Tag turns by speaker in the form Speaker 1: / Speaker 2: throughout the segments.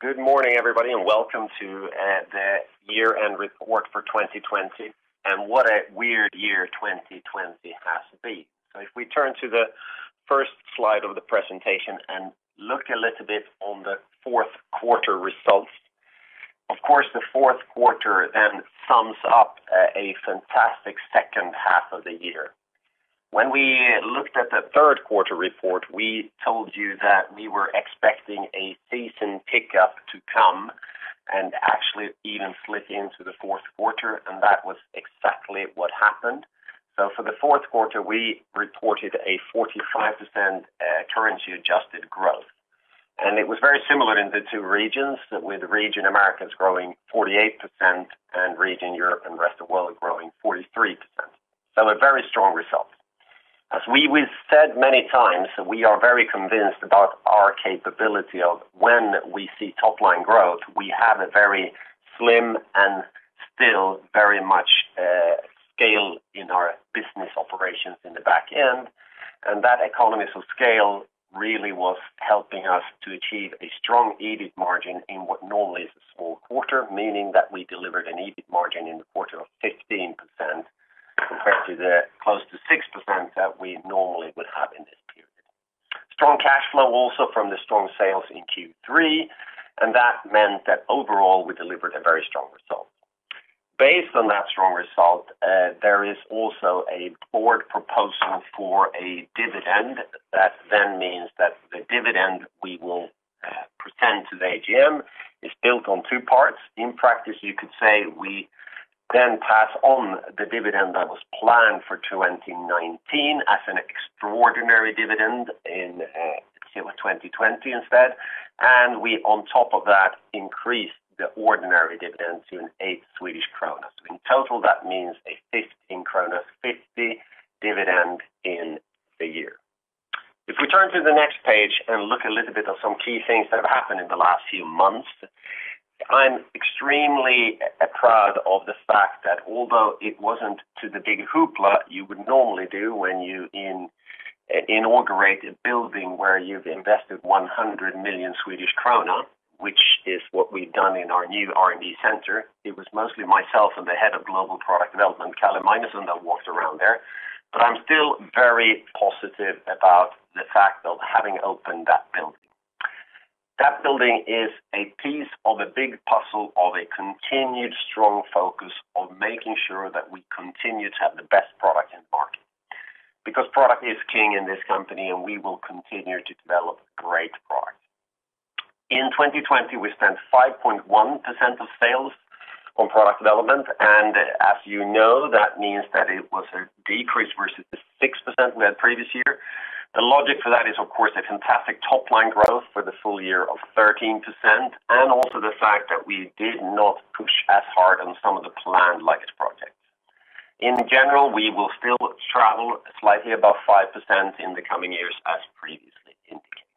Speaker 1: Good morning, everybody, and welcome to the Year-End Report for 2020. What a weird year 2020 has been. If we turn to the first slide of the presentation and look a little bit on the fourth quarter results. Of course, the fourth quarter then sums up a fantastic second half of the year. When we looked at the third quarter report, we told you that we were expecting a season pickup to come and actually even slip into the fourth quarter, and that was exactly what happened. For the fourth quarter, we reported a 45% currency-adjusted growth. It was very similar in the two regions, with the region Americas growing 48% and region Europe and Rest of World growing 43%. A very strong result. As we said many times, we are very convinced about our capability of when we see top-line growth, we have a very slim and still very much scale in our business operations in the back end. That economies of scale really was helping us to achieve a strong EBIT margin in what normally is a small quarter, meaning that we delivered an EBIT margin in the quarter of 15% compared to the close to 6% that we normally would have in this period. Strong cash flow also from the strong sales in Q3, and that meant that overall, we delivered a very strong result. Based on that strong result, there is also a board proposal for a dividend that then means that the dividend we will present to the AGM is built on two parts. In practice, you could say we then pass on the dividend that was planned for 2019 as an extraordinary dividend in Q1 2020 instead, and we on top of that, increased the ordinary dividend to SEK 8. In total, that means a 15.50 krona dividend in the year. If we turn to the next page and look a little bit of some key things that have happened in the last few months, I'm extremely proud of the fact that although it wasn't to the big hoopla you would normally do when you inaugurate a building where you've invested 100 million Swedish krona, which is what we've done in our new R&D center, it was mostly myself and the Head of Global Product Development, Kalle Magnusson, that walked around there. I'm still very positive about the fact of having opened that building. That building is a piece of a big puzzle of a continued strong focus on making sure that we continue to have the best product in the market. Because product is king in this company, and we will continue to develop great products. In 2020, we spent 5.1% of sales on product development, and as you know, that means that it was a decrease versus the 6% we had previous year. The logic for that is, of course, a fantastic top-line growth for the full year of 13%, and also the fact that we did not push as hard on some of the planned legacy projects. In general, we will still travel slightly above 5% in the coming years, as previously indicated.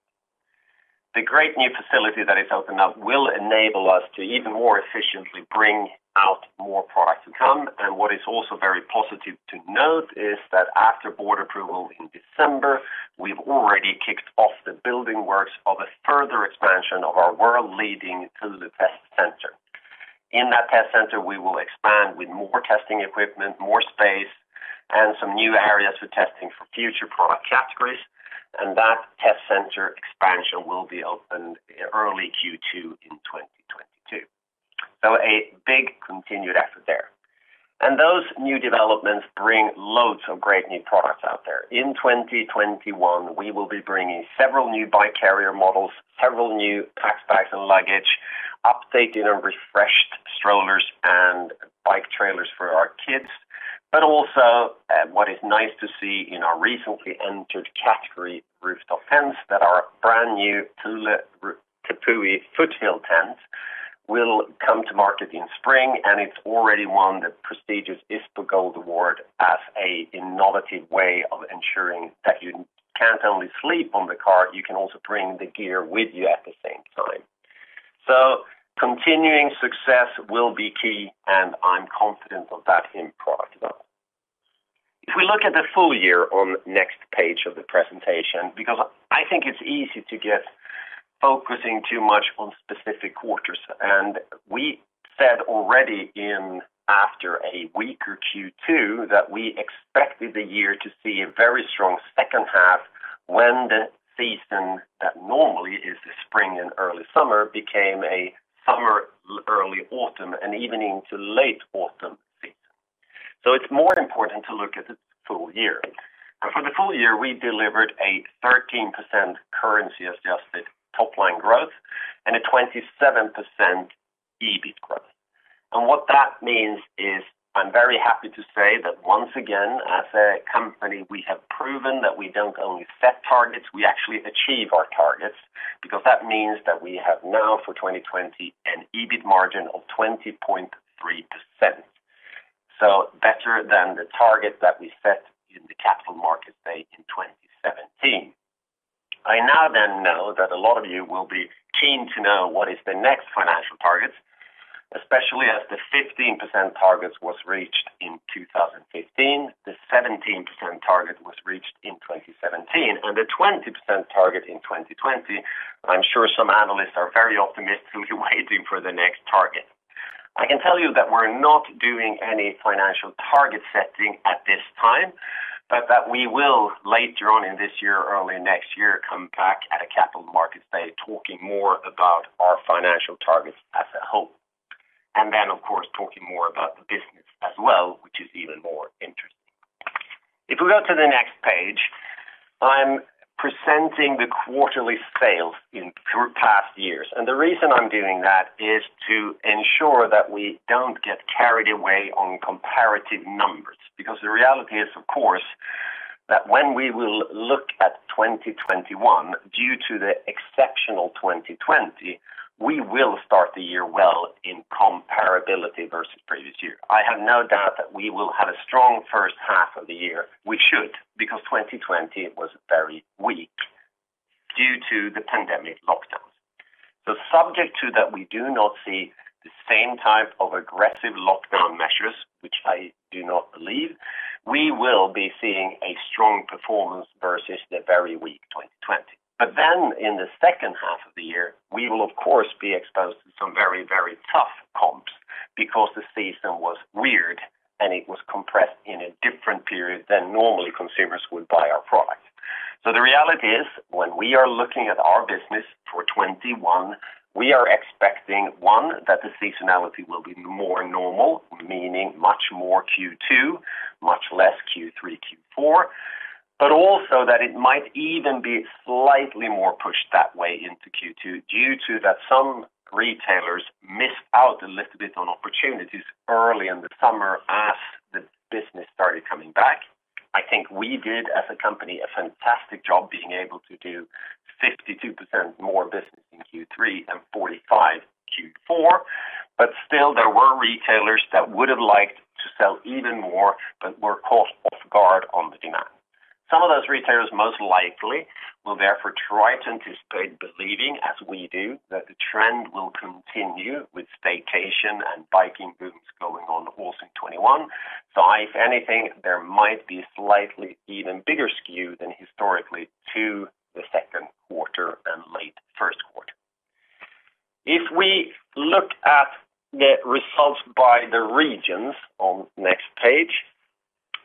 Speaker 1: The great new facility that is opening up will enable us to even more efficiently bring out more products to come. What is also very positive to note is that after board approval in December, we've already kicked off the building works of a further expansion of our world-leading Thule Test Center. In that test center, we will expand with more testing equipment, more space, and some new areas for testing for future product categories, and that test center expansion will be opened early Q2 in 2022. A big continued effort there. Those new developments bring loads of great new products out there. In 2021, we will be bringing several new bike carrier models, several new pack bags and luggage, updated and refreshed strollers and bike trailers for our kids. Also, what is nice to see in our recently entered category, rooftop tents, that our brand new Thule Tepui Foothill tent will come to market in spring, and it's already won the prestigious ISPO Gold Award as a innovative way of ensuring that you can't only sleep on the car, you can also bring the gear with you at the same time. Continuing success will be key, and I'm confident of that in product. If we look at the full year on next page of the presentation, because I think it's easy to get focusing too much on specific quarters. We said already in after a week or Q2 that we expected the year to see a very strong second half when the season that normally is the spring and early summer became a summer, early autumn, and even into late autumn season. It's more important to look at the full year. For the full year, we delivered a 13% currency-adjusted top-line growth and a 27% EBIT growth. What that means is, I'm very happy to say that once again, as a company, we have proven that we don't only set targets, we actually achieve our targets, because that means that we have now for 2020 an EBIT margin of 20.3%. Better than the target that we set in the Capital Markets Day in 2017. I now then know that a lot of you will be keen to know what is the next financial targets. Especially as the 15% target was reached in 2015, the 17% target was reached in 2017, and the 20% target in 2020. I'm sure some analysts are very optimistically waiting for the next target. I can tell you that we're not doing any financial target setting at this time, but that we will, later on in this year or early next year, come back at a Capital Market Day talking more about our financial targets as a whole. Of course, talking more about the business as well, which is even more interesting. If we go to the next page, I'm presenting the quarterly sales in past years. The reason I'm doing that is to ensure that we don't get carried away on comparative numbers, because the reality is, of course, that when we will look at 2021, due to the exceptional 2020, we will start the year well in comparability versus previous year. I have no doubt that we will have a strong first half of the year. We should, because 2020 was very weak due to the pandemic lockdowns. Subject to that, we do not see the same type of aggressive lockdown measures, which I do not believe, we will be seeing a strong performance versus the very weak 2020. In the second half of the year, we will, of course, be exposed to some very, very tough comps because the season was weird, and it was compressed in a different period than normally consumers would buy our product. The reality is, when we are looking at our business for 2021, we are expecting, one, that the seasonality will be more normal, meaning much more Q2, much less Q3, Q4. Also that it might even be slightly more pushed that way into Q2 due to that some retailers missed out a little bit on opportunities early in the summer as the business started coming back. I think we did, as a company, a fantastic job being able to do 52% more business in Q3 and 45% in Q4. Still, there were retailers that would have liked to sell even more but were caught off guard on the demand. Some of those retailers most likely will therefore try to anticipate believing, as we do, that the trend will continue with staycation and biking booms going on also in 2021. If anything, there might be slightly even bigger skew than historically to the second quarter and late first quarter. If we look at the results by the regions on next page,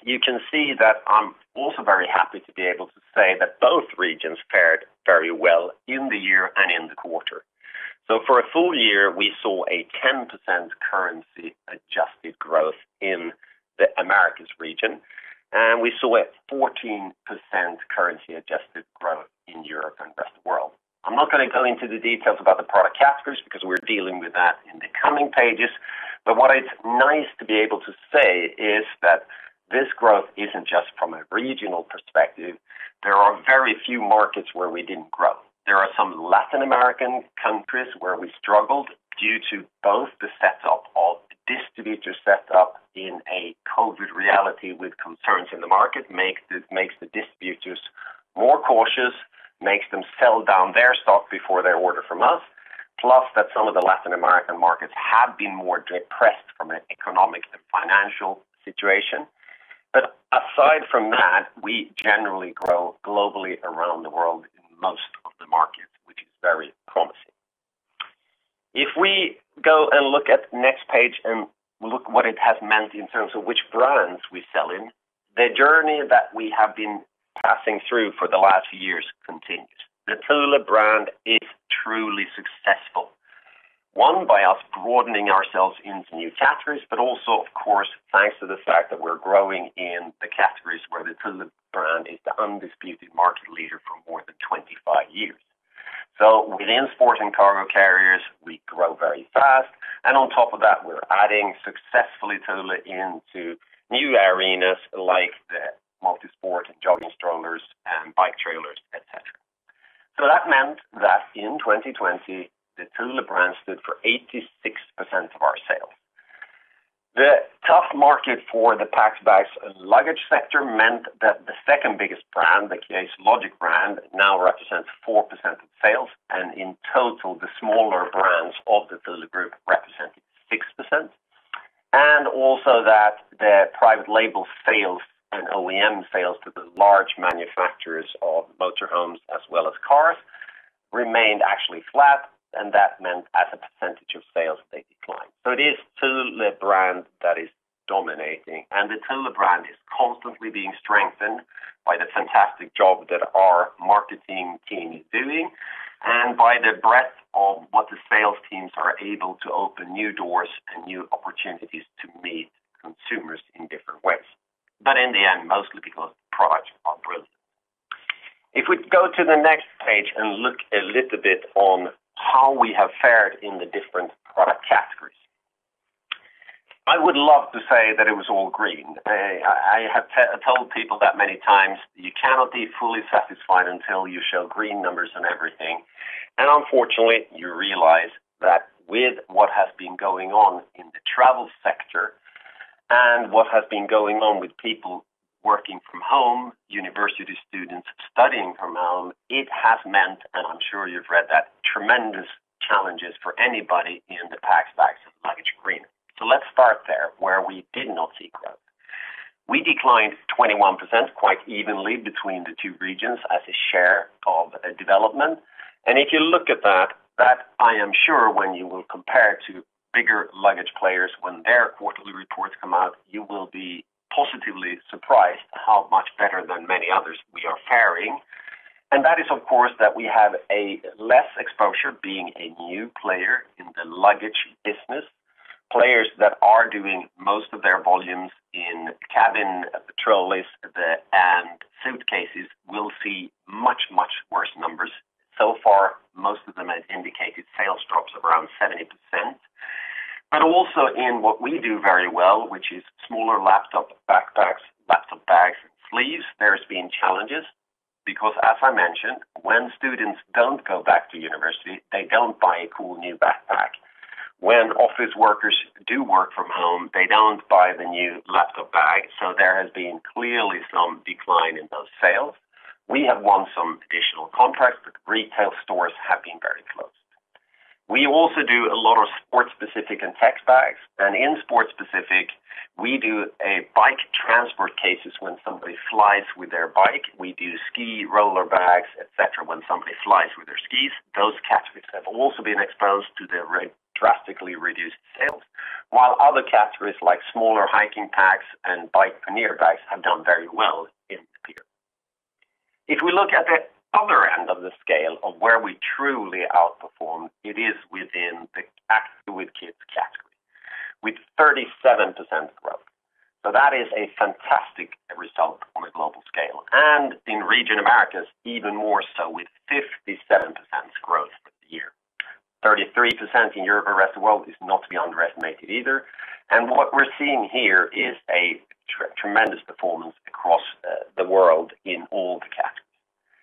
Speaker 1: you can see that I'm also very happy to be able to say that both regions fared very well in the year and in the quarter. For a full year, we saw a 10% currency adjusted growth in the Americas region, and we saw a 14% currency adjusted growth in Europe and rest of world. I'm not going to go into the details about the product categories because we're dealing with that in the coming pages. What it's nice to be able to say is that this growth isn't just from a regional perspective. There are very few markets where we didn't grow. There are some Latin American countries where we struggled due to both the setup of the distributor set up in a COVID reality with concerns in the market, makes the distributors more cautious, makes them sell down their stock before they order from us. Plus that some of the Latin American markets have been more depressed from an economic and financial situation. Aside from that, we generally grow globally around the world in most of the markets, which is very promising. If we go and look at next page and look what it has meant in terms of which brands we sell in, the journey that we have been passing through for the last years continues. The Thule brand is truly successful, one, by us broadening ourselves into new categories, but also, of course, thanks to the fact that we're growing in the categories where the Thule brand is the undisputed market leader for more than 25 years. Within Sport&Cargo Carriers, we grow very fast, and on top of that, we're adding successfully Thule into new arenas like the multi-sport and jogging strollers and bike trailers, et cetera. That meant that in 2020, the Thule brand stood for 86% of our sales. The tough market for the Packs, Bags & Luggage sector meant that the second biggest brand, the Case Logic brand, now represents 4% of sales, and in total, the smaller brands of the Thule Group represented 6%. Also that the private label sales and OEM sales to the large manufacturers of motor homes as well as cars remained actually flat, and that meant as a percentage of sales, they declined. It is Thule brand that is dominating, and the Thule brand is constantly being strengthened by the fantastic job that our marketing team is doing and by the breadth of what the sales teams are able to open new doors and new opportunities to meet consumers in different ways. In the end, mostly because the products are brilliant. If we go to the next page and look a little bit on how we have fared in the different product categories. I would love to say that it was all green. I have told people that many times, you cannot be fully satisfied until you show green numbers and everything. Unfortunately, you realize that with what has been going on in the travel sector. And what has been going on with people working from home, university students studying from home, it has meant, and I'm sure you've read that, tremendous challenges for anybody in the Packs, Bags & Luggage arena. Let's start there, where we did not see growth. We declined 21%, quite evenly between the two regions as a share of development. If you look at that I am sure when you will compare to bigger luggage players, when their quarterly reports come out, you will be positively surprised at how much better than many others we are faring. That is, of course, that we have a less exposure being a new player in the luggage business. Players that are doing most of their volumes in cabin, trolleys, and suitcases will see much, much worse numbers. So far, most of them have indicated sales drops of around 70%. Also in what we do very well, which is smaller laptop backpacks, laptop bag sleeves, there has been challenges because as I mentioned, when students don't go back to university, they don't buy a cool new backpack. When office workers do work from home, they don't buy the new laptop bag. There has been clearly some decline in those sales. We have won some additional contracts. Retail stores have been very closed. We also do a lot of sports-specific and tech bags. In sports specific, we do bike transport cases when somebody flies with their bike. We do ski roller bags, et cetera, when somebody flies with their skis. Those categories have also been exposed to the drastically reduced sales. While other categories like smaller hiking packs and bike pannier bags have done very well in the period. If we look at the other end of the scale of where we truly outperform, it is within the Active with Kids category with 37% growth. That is a fantastic result on a global scale and in region Americas even more so with 57% growth year. 33% in Europe and rest of world is not to be underestimated either. What we're seeing here is a tremendous performance across the world in all the categories.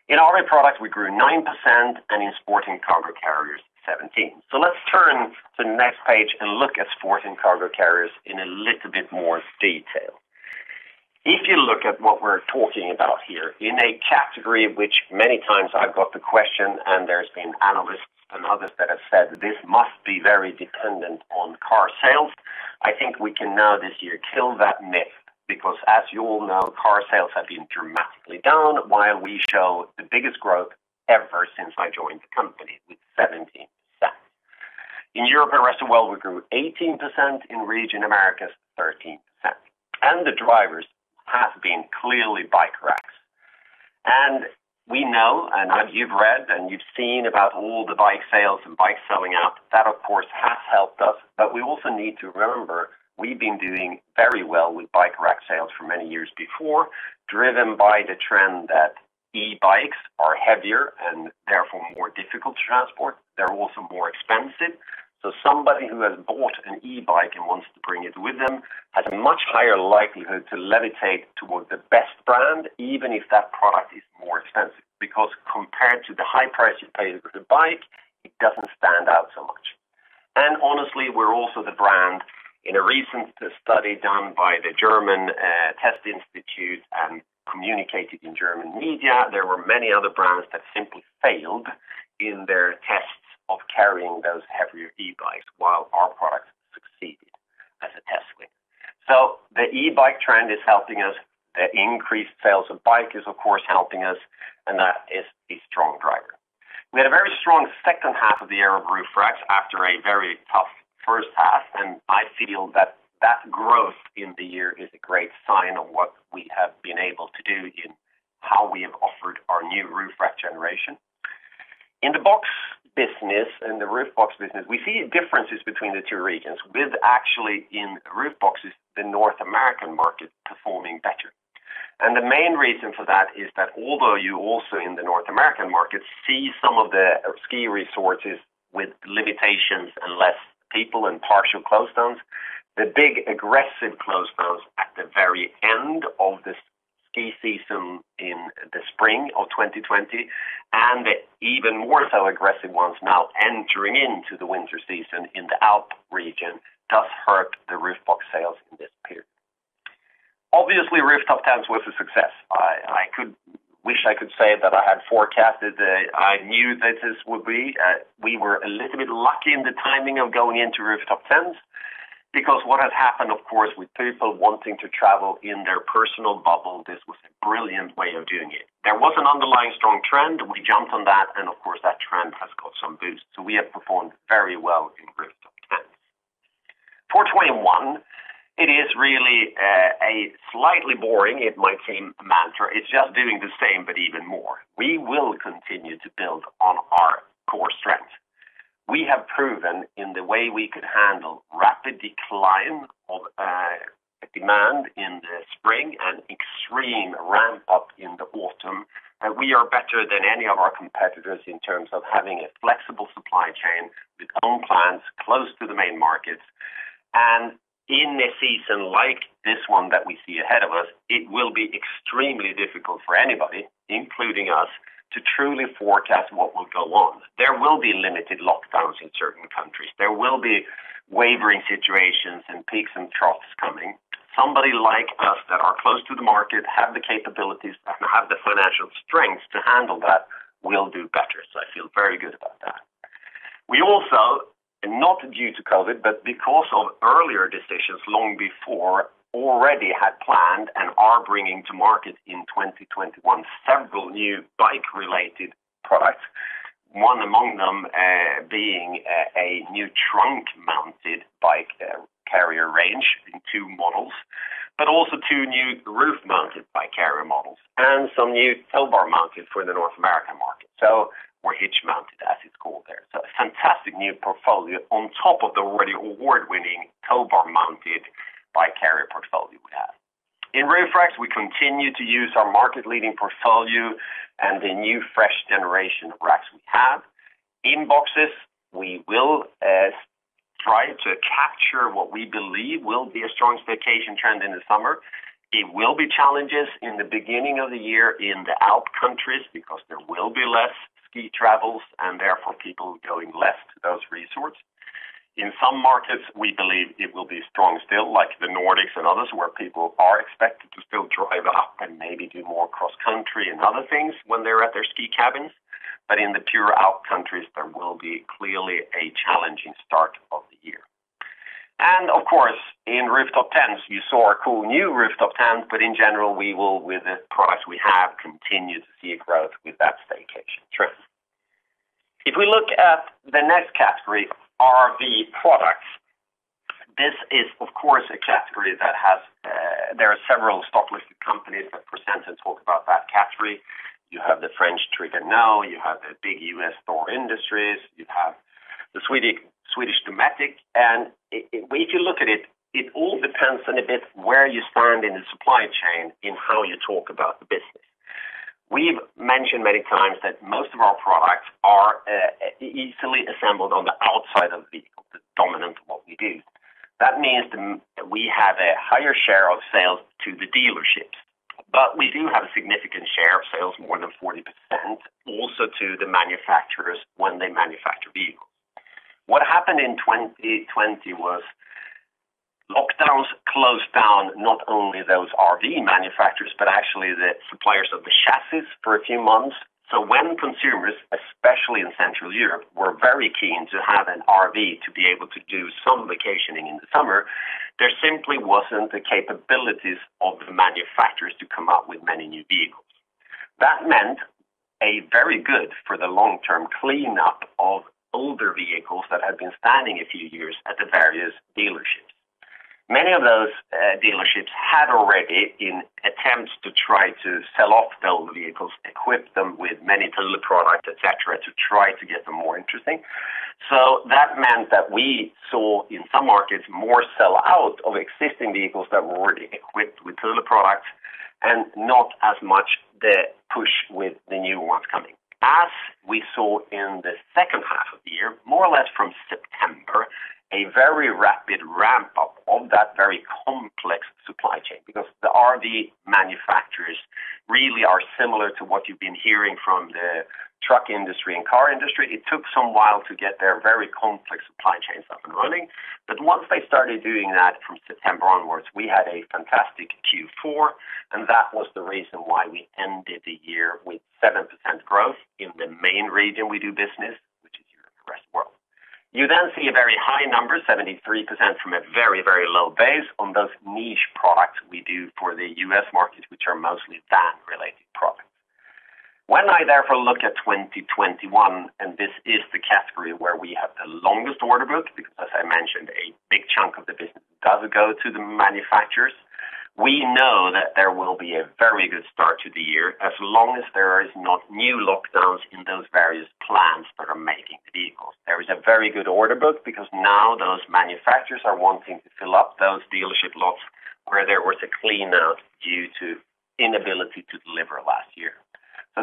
Speaker 1: In RV Products, we grew 9% and in Sport&Cargo Carriers, 17%. Let's turn to the next page and look at Sport&Cargo Carriers in a little bit more detail. If you look at what we're talking about here in a category which many times I've got the question, and there's been analysts and others that have said this must be very dependent on car sales. I think we can now this year kill that myth because as you all know, car sales have been dramatically down, while we show the biggest growth ever since I joined the company with 17%. In Europe and Rest of World, we grew 18%, in Region Americas, 13%. The drivers have been clearly bike racks. We know, and as you've read and you've seen about all the bike sales and bike selling out, that of course has helped us. We also need to remember, we've been doing very well with bike rack sales for many years before, driven by the trend that e-bikes are heavier and therefore more difficult to transport. They're also more expensive. Somebody who has bought an e-bike and wants to bring it with them has a much higher likelihood to levitate towards the best brand, even if that product is more expensive, because compared to the high price you pay for the bike, it doesn't stand out so much. Honestly, we're also the brand in a recent study done by the German Test Institute and communicated in German media, there were many other brands that simply failed in their tests of carrying those heavier e-bikes while our products succeeded as a test win. The e-bike trend is helping us. The increased sales of bike is of course helping us and that is a strong driver. We had a very strong second half of the year of roof racks after a very tough first half, and I feel that that growth in the year is a great sign of what we have been able to do in how we have offered our new roof rack generation. In the box business and the roof box business, we see differences between the two regions with actually in roof boxes, the North American market performing better. The main reason for that is that although you also in the North American market see some of the ski resorts with limitations and less people and partial close downs, the big aggressive close downs at the very end of the ski season in the spring of 2020 and even more so aggressive ones now entering into the winter season in the Alp region does hurt the roof box sales in this period. Obviously, rooftop tents was a success. I wish I could say that I had forecasted, I knew that this would be. We were a little bit lucky in the timing of going into rooftop tents because what had happened, of course, with people wanting to travel in their personal bubble, this was a brilliant way of doing it. There was an underlying strong trend. We jumped on that. Of course, that trend has got some boost. We have performed very well in rooftop tents. For 2021, it is really a slightly boring, it might seem, mantra. It's just doing the same, but even more. We will continue to build on our core strength. We have proven in the way we could handle rapid decline of demand in the spring and extreme ramp up in the autumn that we are better than any of our competitors in terms of having a flexible supply chain with own plants close to the main markets. In a season like this one that we see ahead of us, it will be extremely difficult for anybody, including us to truly forecast what will go on. There will be limited lockdowns in certain countries. There will be wavering situations and peaks and troughs coming. Somebody like us that are close to the market, have the capabilities, and have the financial strength to handle that will do better, so I feel very good about that. We also, not due to COVID, but because of earlier decisions long before, already had planned and are bringing to market in 2021, several new bike related products. One among them being a new trunk-mounted bike carrier range in two models, but also two new roof-mounted bike carrier models and some new tow bar mounted for the North American market. We're hitch mounted, as it's called there. A fantastic new portfolio on top of the already award-winning tow bar mounted bike carrier portfolio we have. In roof racks, we continue to use our market-leading portfolio and the new fresh generation of racks we have. In boxes, we will try to capture what we believe will be a strong staycation trend in the summer. It will be challenges in the beginning of the year in the Alp countries because there will be less ski travels and therefore people going less to those resorts. In some markets, we believe it will be strong still like the Nordics and others where people are expected to still drive up and maybe do more cross-country and other things when they're at their ski cabins. In the pure Alp countries, there will be clearly a challenging start of the year. Of course, in rooftop tents, you saw our cool new rooftop tents, but in general, we will with the products we have, continue to see a growth with that staycation trend. If we look at the next category, RV Products, this is of course a category that there are several stock-listed companies that present and talk about that category. You have the French Trigano, you have the big U.S. Thor Industries, you have the Swedish Dometic, if you look at it all depends on a bit where you stand in the supply chain in how you talk about the business. We've mentioned many times that most of our products are easily assembled on the outside of the vehicle, the dominant of what we do. That means that we have a higher share of sales to the dealerships. We do have a significant share of sales, more than 40%, also to the manufacturers when they manufacture vehicles. What happened in 2020 was lockdowns closed down not only those RV manufacturers, but actually the suppliers of the chassis for a few months. When consumers, especially in Central Europe, were very keen to have an RV to be able to do some vacationing in the summer, there simply wasn't the capabilities of the manufacturers to come up with many new vehicles. That meant a very good for the long-term cleanup of older vehicles that had been standing a few years at the various dealerships. Many of those dealerships had already, in attempts to try to sell off those vehicles, equipped them with many Thule products, et cetera, to try to get them more interesting. That meant that we saw in some markets more sell out of existing vehicles that were already equipped with Thule products and not as much the push with the new ones coming. As we saw in the second half of the year, more or less from September, a very rapid ramp up of that very complex supply chain because the RV manufacturers really are similar to what you've been hearing from the truck industry and car industry. Once they started doing that from September onwards, we had a fantastic Q4, and that was the reason why we ended the year with 7% growth in the main region we do business, which is Europe, the rest of the world. You then see a very high number, 73% from a very, very low base on those niche products we do for the U.S. market, which are mostly van related products. When I therefore look at 2021, this is the category where we have the longest order book, because as I mentioned, a big chunk of the business does go to the manufacturers. We know that there will be a very good start to the year as long as there is not new lockdowns in those various plants that are making the vehicles. There is a very good order book because now those manufacturers are wanting to fill up those dealership lots where there was a clean out due to inability to deliver last year.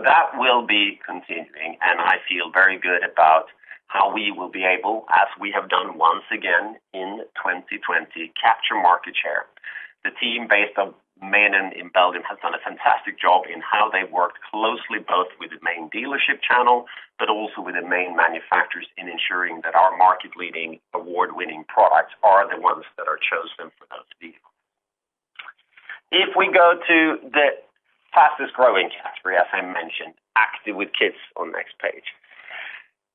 Speaker 1: That will be continuing, and I feel very good about how we will be able, as we have done once again in 2020, capture market share. The team based of Menen in Belgium has done a fantastic job in how they've worked closely, both with the main dealership channel, but also with the main manufacturers in ensuring that our market leading award-winning products are the ones that are chosen for those vehicles. If we go to the fastest growing category, as I mentioned, Active with Kids on next page.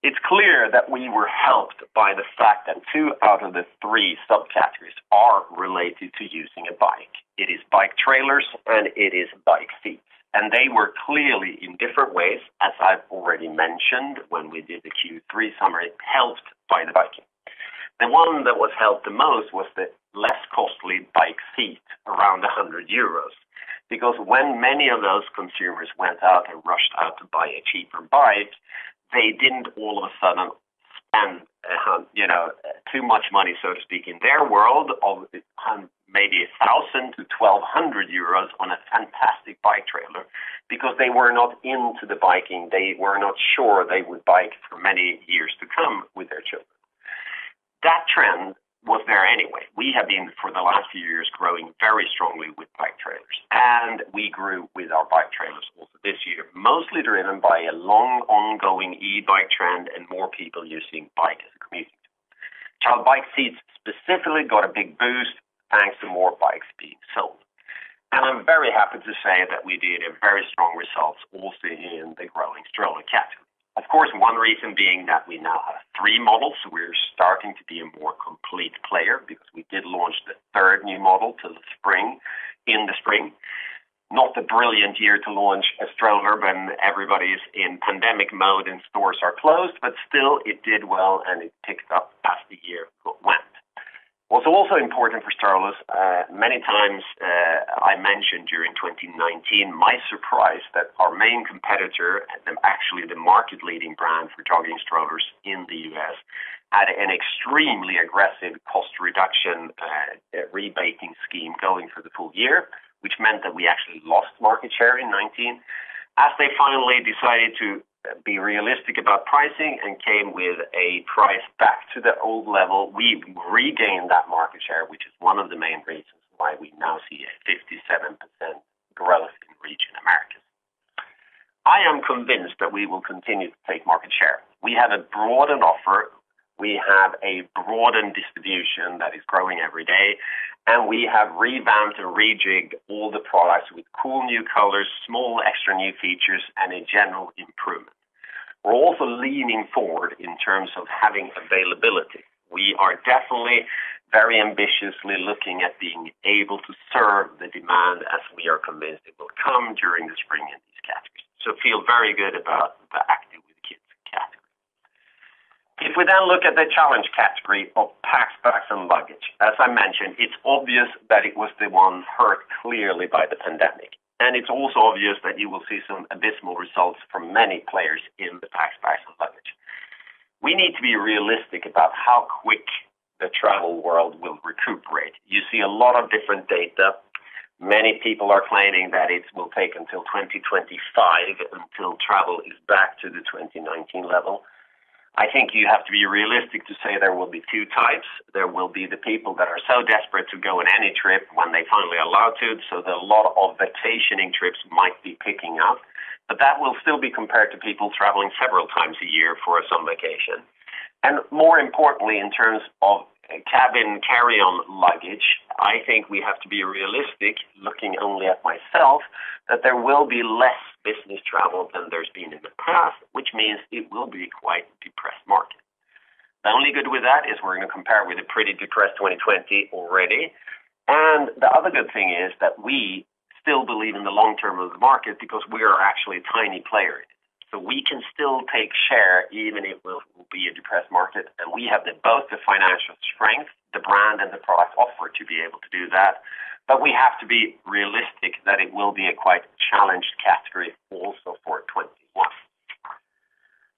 Speaker 1: It's clear that we were helped by the fact that two out of the three subcategories are related to using a bike. It is bike trailers and it is bike seats. They were clearly in different ways, as I've already mentioned when we did the Q3 summary, helped by the biking. The one that was helped the most was the less costly bike seat around 100 euros. When many of those consumers went out and rushed out to buy a cheaper bike, they didn't all of a sudden spend too much money, so to speak, in their world of maybe €1,000 to €1,200 on a fantastic bike trailer because they were not into the biking. They were not sure they would bike for many years to come with their children. We have been, for the last few years, growing very strongly with bike trailers, and we grew with our bike trailers also this year, mostly driven by a long ongoing e-bike trend and more people using bike as a commute. Child bike seats specifically got a big boost thanks to more bikes being sold. I'm very happy to say that we did a very strong result also in the growing stroller category. Of course, one reason being that we now have three models. We're starting to be a more complete player because we did launch the third new model in the spring. Not a brilliant year to launch a stroller when everybody's in pandemic mode and stores are closed, but still, it did well, and it picked up as the year went. What's also important for strollers, many times I mentioned during 2019, my surprise that our main competitor and actually the market-leading brand for jogging strollers in the U.S., had an extremely aggressive cost reduction rebating scheme going for the full year, which meant that we actually lost market share in 2019. As they finally decided to be realistic about pricing and came with a price back to the old level, we regained that market share, which is one of the main reasons why we now see a 57% growth in Region Americas. I am convinced that we will continue to take market share. We have a broadened offer, we have a broadened distribution that is growing every day, and we have revamped and rejigged all the products with cool new colors, small extra new features, and a general improvement. We're also leaning forward in terms of having availability. We are definitely very ambitiously looking at being able to serve the demand as we are convinced it will come during the spring in these categories. Feel very good about the Active with Kids category. If we then look at the challenge category of Packs, Bags & Luggage. As I mentioned, it's obvious that it was the one hurt clearly by the pandemic, and it's also obvious that you will see some abysmal results from many players in the Packs, Bags & Luggage. We need to be realistic about how quick the travel world will recuperate. You see a lot of different data. Many people are claiming that it will take until 2025 until travel is back to the 2019 level. I think you have to be realistic to say there will be two types. There will be the people that are so desperate to go on any trip when they finally are allowed to, so a lot of vacationing trips might be picking up. That will still be compared to people traveling several times a year for a summer vacation. More importantly, in terms of cabin carry-on luggage, I think we have to be realistic, looking only at myself, that there will be less business travel than there's been in the past, which means it will be a quite depressed market. The only good with that is we're going to compare it with a pretty depressed 2020 already, and the other good thing is that we still believe in the long-term of the market because we are actually a tiny player in it. We can still take share even if it will be a depressed market, and we have both the financial strength, the brand, and the product offer to be able to do that. We have to be realistic that it will be a quite challenged category also for 2021.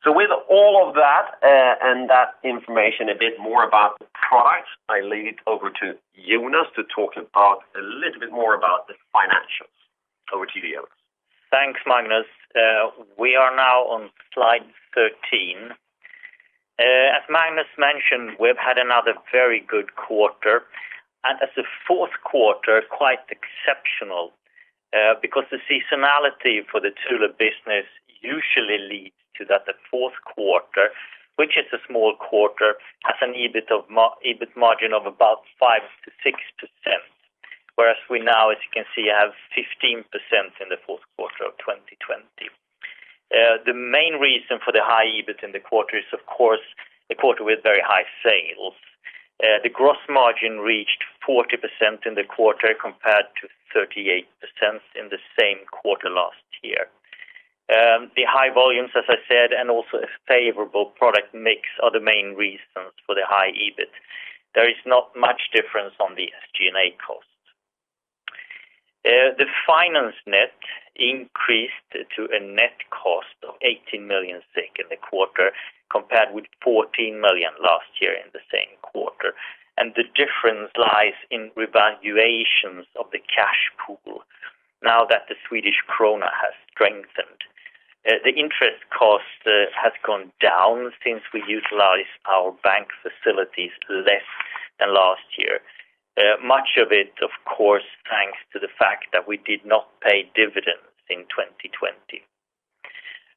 Speaker 1: With all of that and that information, a bit more about the products, I lead it over to Jonas to talk about a little bit more about the financials. Over to you, Jonas.
Speaker 2: Thanks, Magnus. We are now on slide 13. As Magnus mentioned, we've had another very good quarter, and as a fourth quarter, quite exceptional, because the seasonality for the Thule business usually leads to that the fourth quarter, which is a small quarter, has an EBIT margin of about 5%-6%, whereas we now, as you can see, have 15% in the fourth quarter of 2020. The main reason for the high EBIT in the quarter is, of course, the quarter with very high sales. The gross margin reached 40% in the quarter, compared to 38% in the same quarter last year. The high volumes, as I said, and also a favorable product mix are the main reasons for the high EBIT. There is not much difference on the SG&A cost. The finance net increased to a net cost of 18 million in the quarter, compared with 14 million last year in the same quarter. The difference lies in revaluations of the cash pool now that the Swedish krona has strengthened. The interest cost has gone down since we utilized our bank facilities less than last year. Much of it, of course, thanks to the fact that we did not pay dividends in 2020.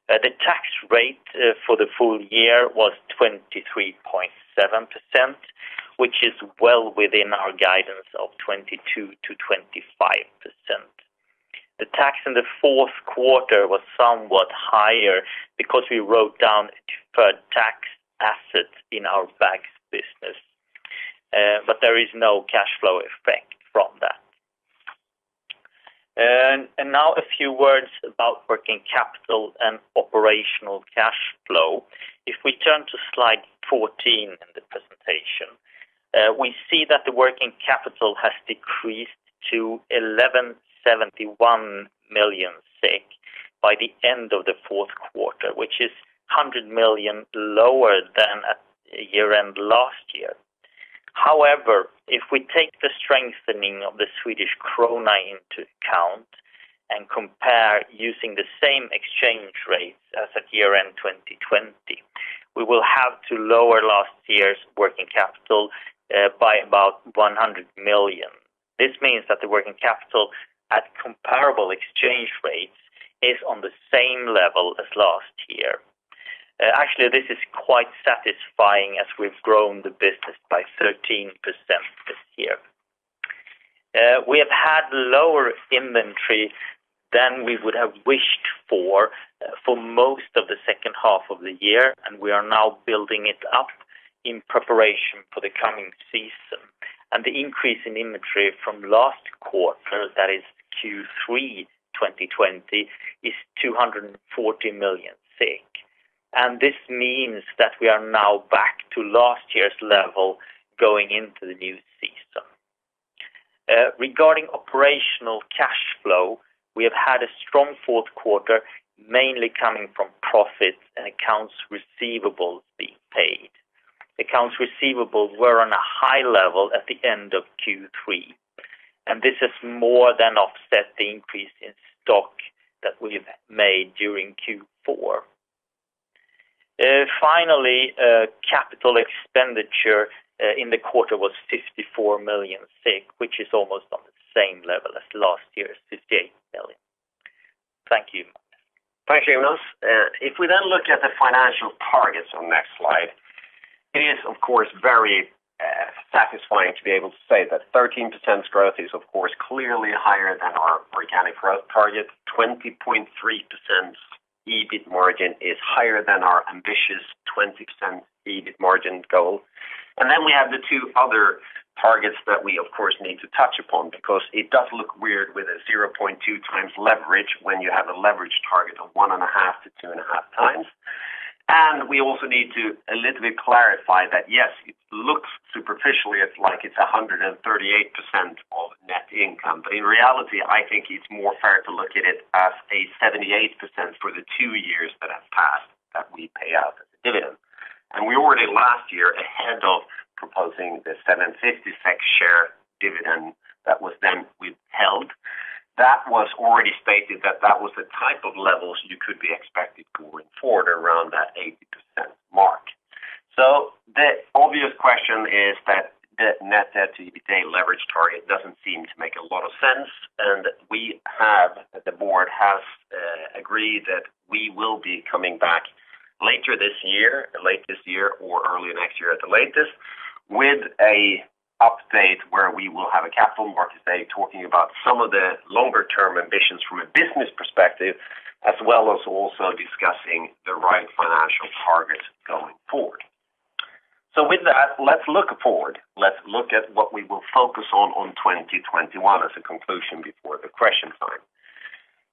Speaker 2: The tax rate for the full year was 23.7%, which is well within our guidance of 22%-25%. The tax in the fourth quarter was somewhat higher because we wrote down deferred tax assets in our bags business. There is no cash flow effect from that. Now a few words about working capital and operational cash flow. If we turn to slide 14 in the presentation, we see that the working capital has decreased to 1,171 million by the end of the fourth quarter, which is 100 million lower than at year-end last year. However, if we take the strengthening of the Swedish krona into account. Compare using the same exchange rates as at year-end 2020. We will have to lower last year's working capital by about 100 million. This means that the working capital at comparable exchange rates is on the same level as last year. Actually, this is quite satisfying as we've grown the business by 13% this year. We have had lower inventory than we would have wished for most of the second half of the year, and we are now building it up in preparation for the coming season. The increase in inventory from last quarter, that is Q3 2020, is 240 million. This means that we are now back to last year's level going into the new season. Regarding operational cash flow, we have had a strong fourth quarter, mainly coming from profits and accounts receivables being paid. Accounts receivables were on a high level at the end of Q3, and this has more than offset the increase in stock that we've made during Q4. Finally, capital expenditure in the quarter was 54 million, which is almost on the same level as last year's 58 million. Thank you.
Speaker 1: Thank you, Jonas. We then look at the financial targets on the next slide, it is, of course, very satisfying to be able to say that 13% growth is, of course, clearly higher than our organic growth target. 20.3% EBIT margin is higher than our ambitious 20% EBIT margin goal. Then we have the two other targets that we of course need to touch upon because it does look weird with a 0.2x leverage when you have a leverage target of 1.5x to 2.5x. We also need to a little bit clarify that, yes, it looks superficially like it's 138% of net income. In reality, I think it's more fair to look at it as a 78% for the two years that have passed that we pay out as a dividend. We already last year, ahead of proposing the 7.50 SEK share dividend that was then withheld, that was already stated that that was the type of levels you could be expected going forward around that 80% mark. The obvious question is that the net debt to EBITDA leverage target doesn't seem to make a lot of sense. We have, the board has agreed that we will be coming back later this year, or early next year at the latest, with an update where we will have a capital market day talking about some of the longer term ambitions from a business perspective, as well as also discussing the right financial target going forward. With that, let's look forward. Let's look at what we will focus on 2021 as a conclusion before the question time.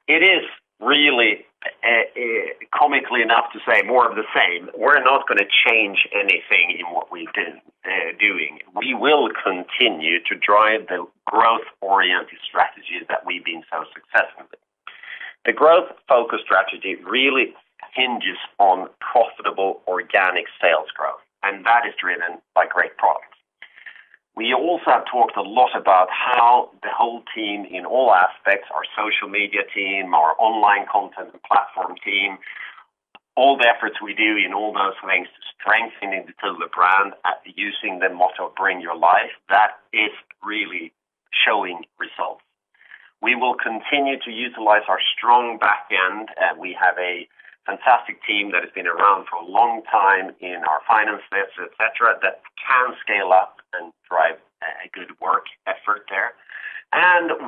Speaker 1: It is really, comically enough to say more of the same. We're not going to change anything in what we're doing. We will continue to drive the growth-oriented strategies that we've been so successful with. The growth focus strategy really hinges on profitable organic sales growth, and that is driven by great products. We also have talked a lot about how the whole team in all aspects, our social media team, our online content and platform team, all the efforts we do in all those lengths to strengthening the Thule brand and using the motto, Bring Your Life, that is really showing results. We will continue to utilize our strong backend. We have a fantastic team that has been around for a long time in our finance space, et cetera, that can scale up and drive a good work effort there.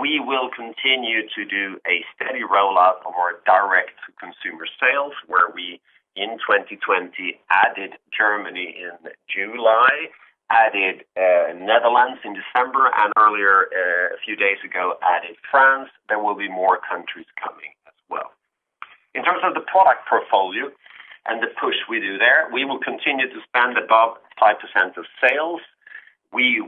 Speaker 1: We will continue to do a steady rollout of our direct-to-consumer sales, where we, in 2020, added Germany in July, added Netherlands in December, and earlier, a few days ago, added France. There will be more countries coming as well. In terms of the product portfolio and the push we do there, we will continue to spend above 5% of sales. We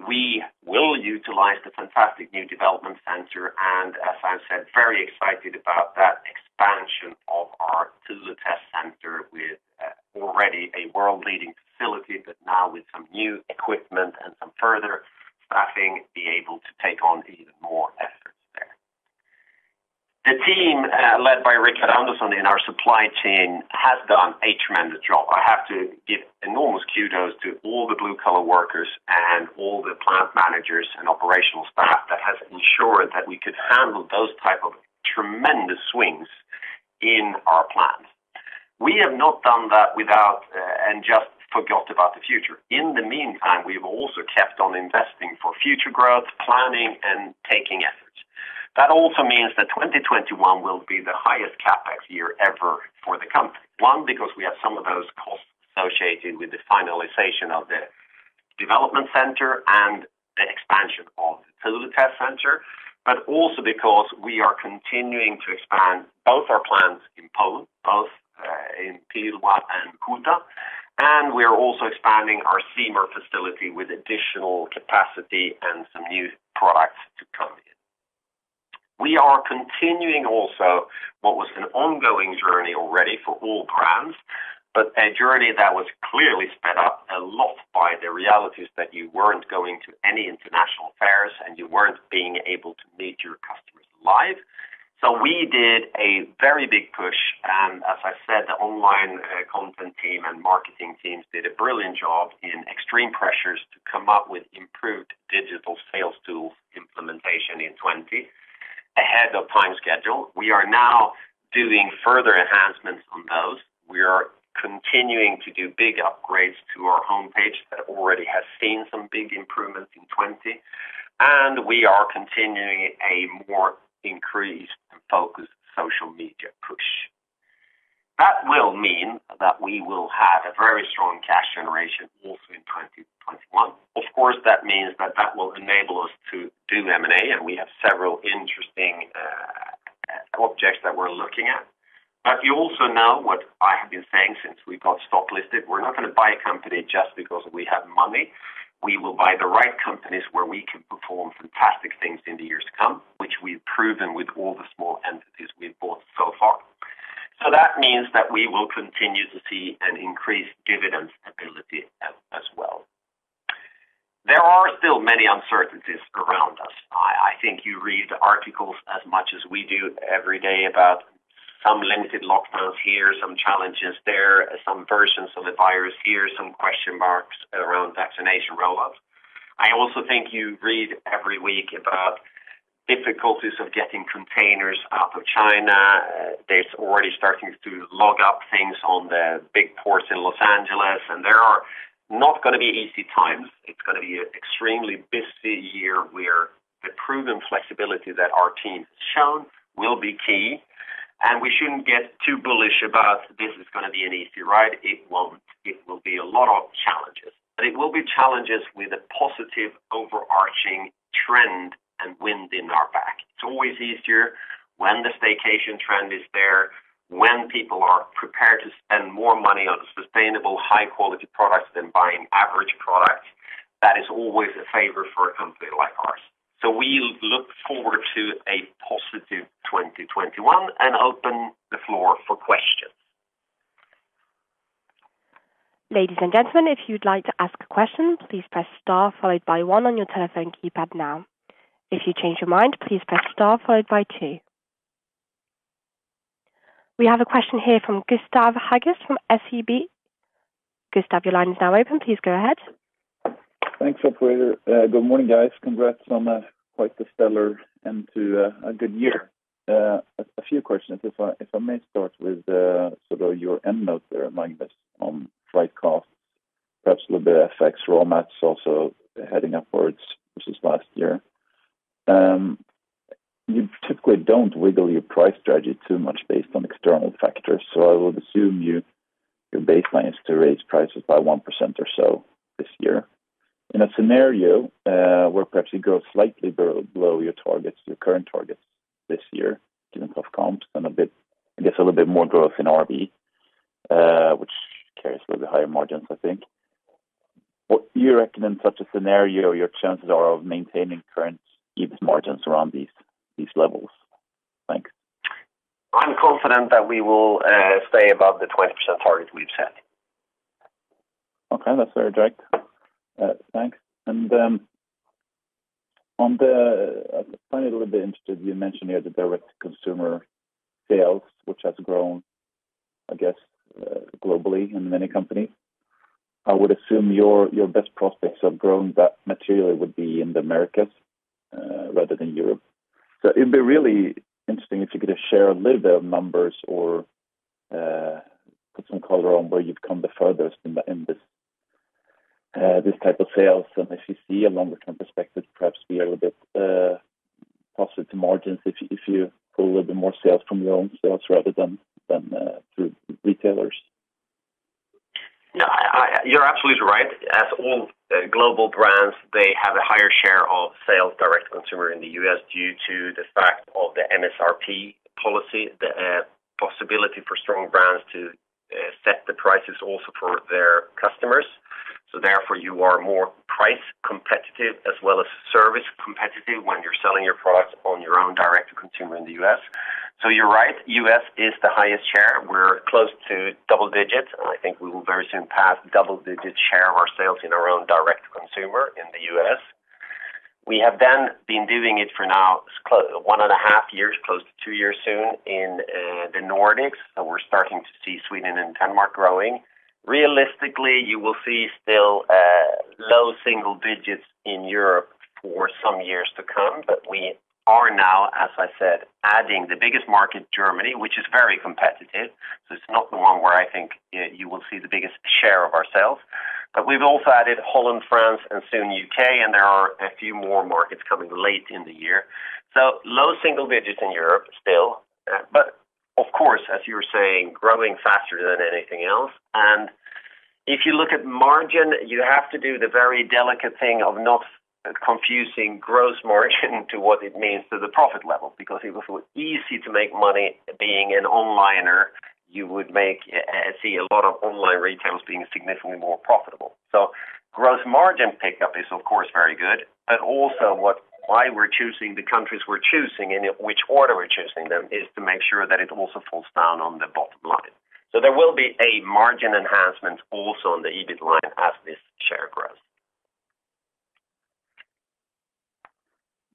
Speaker 1: will utilize the fantastic new development center, and as I said, very excited about that expansion of our Thule Test Center with already a world-leading facility, but now with some new equipment and some further staffing, be able to take on even more efforts there. The team, led by Rickard Andersson in our supply chain, has done a tremendous job. I have to give enormous kudos to all the blue-collar workers and all the plant managers and operational staff that have ensured that we could handle those type of tremendous swings in our plans. We have not done that without and just forgot about the future. In the meantime, we've also kept on investing for future growth, planning, and taking efforts. That also means that 2021 will be the highest CapEx year ever for the company. One, because we have some of those costs associated with the finalization of the development center and the expansion of the Thule Test Center, but also because we are continuing to expand both our plants in both Pila and Huta, and we are also expanding our Seymour facility with additional capacity and some new products to come in. We are continuing also what was an ongoing journey already for all brands, but a journey that was clearly sped up a lot by the realities that you weren't going to any international fairs and you weren't being able to meet your customers live. We did a very big push, and as I said, the online content team and marketing teams did a brilliant job in extreme pressures to come up with improved digital sales tools implementation in 2020 ahead of time schedule. We are now doing further enhancements on those. We are continuing to do big upgrades to our homepage that already has seen some big improvements in 2020, and we are continuing a more increased and focused social media push. That will mean that we will have a very strong cash generation also in 2021. Of course, that means that will enable us to do M&A, and we have several interesting objects that we're looking at. You also know what I have been saying since we got stock listed. We're not going to buy a company just because we have money. We will buy the right companies where we can perform fantastic things in the years to come, which we've proven with all the small entities we've bought so far. That means that we will continue to see an increased dividend stability as well. There are still many uncertainties around us. I think you read articles as much as we do every day about some lengthy lockdowns here, some challenges there, some versions of the virus here, some question marks around vaccination roll-ups. I also think you read every week about difficulties of getting containers out of China. There's already starting to log up things on the big ports in Los Angeles. There are not going to be easy times. It's going to be an extremely busy year where the proven flexibility that our team has shown will be key. We shouldn't get too bullish about this is going to be an easy ride. It won't. It will be a lot of challenges. It will be challenges with a positive, overarching trend and wind in our back. It's always easier when the staycation trend is there, when people are prepared to spend more money on sustainable, high-quality products than buying average products. That is always a favor for a company like ours. We look forward to a positive 2021 and open the floor for questions.
Speaker 3: We have a question here from Gustav Hagéus from SEB. Gustav, your line is now open. Please go ahead.
Speaker 4: Thanks, operator. Good morning, guys. Congrats on quite the stellar end to a good year. A few questions. If I may start with your end note there, Magnus, on freight costs, perhaps a little bit of effects, raw mats also heading upwards versus last year. You typically don't wiggle your price strategy too much based on external factors. I would assume your baseline is to raise prices by 1% or so this year. In a scenario where perhaps you grow slightly below your targets, your current targets this year, given tough comps and I guess a little bit more growth in RV, which carries a little bit higher margins, I think. What do you reckon in such a scenario your chances are of maintaining current EBIT margins around these levels? Thanks.
Speaker 1: I'm confident that we will stay above the 20% target we've set.
Speaker 4: Okay, that's very direct. Thanks. I'm finally a little bit interested, you mentioned here the direct-to-consumer sales, which has grown, I guess, globally in many companies. I would assume your best prospects of growing that materially would be in the Americas rather than Europe. It'd be really interesting if you could share a little bit of numbers or put some color on where you've come the furthest in this type of sales, and if you see a longer-term perspective, perhaps be a little bit positive to margins if you pull a little bit more sales from your own sales rather than through retailers.
Speaker 1: No, you're absolutely right. As all global brands, they have a higher share of sales direct to consumer in the U.S. due to the fact of the MSRP policy, the possibility for strong brands to set the prices also for their customers. Therefore, you are more price competitive as well as service competitive when you're selling your products on your own direct to consumer in the U.S. You're right, U.S. is the highest share. We're close to double digits, and I think we will very soon pass double-digit share of our sales in our own direct to consumer in the U.S. We have then been doing it for now one and a half years, close to two years soon in the Nordics, and we're starting to see Sweden and Denmark growing. Realistically, you will see still low single digits in Europe for some years to come. We are now, as I said, adding the biggest market, Germany, which is very competitive. It's not the one where I think you will see the biggest share of our sales. We've also added Holland, France, and soon U.K., and there are a few more markets coming late in the year. Low single digits in Europe still. Of course, as you were saying, growing faster than anything else. If you look at margin, you have to do the very delicate thing of not confusing gross margin to what it means to the profit level, because it was easy to make money being an online. You would see a lot of online retailers being significantly more profitable. Gross margin pickup is, of course, very good, but also why we're choosing the countries we're choosing and in which order we're choosing them is to make sure that it also falls down on the bottom line. There will be a margin enhancement also on the EBIT line as this share grows.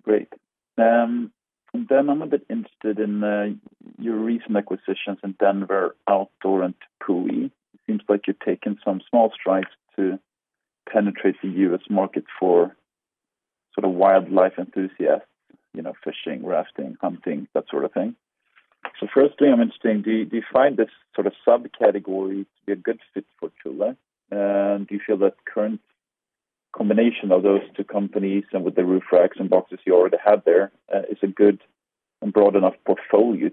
Speaker 4: Great. I'm a bit interested in your recent acquisitions in Denver Outfitters and Tepui. It seems like you're taking some small strides to penetrate the U.S. market for wildlife enthusiasts, fishing, rafting, hunting, that sort of thing. Firstly, I'm interested in, do you find this sort of subcategory to be a good fit for Thule? Do you feel that the current combination of those two companies and with the roof racks and boxes you already have there, is a good and broad enough portfolio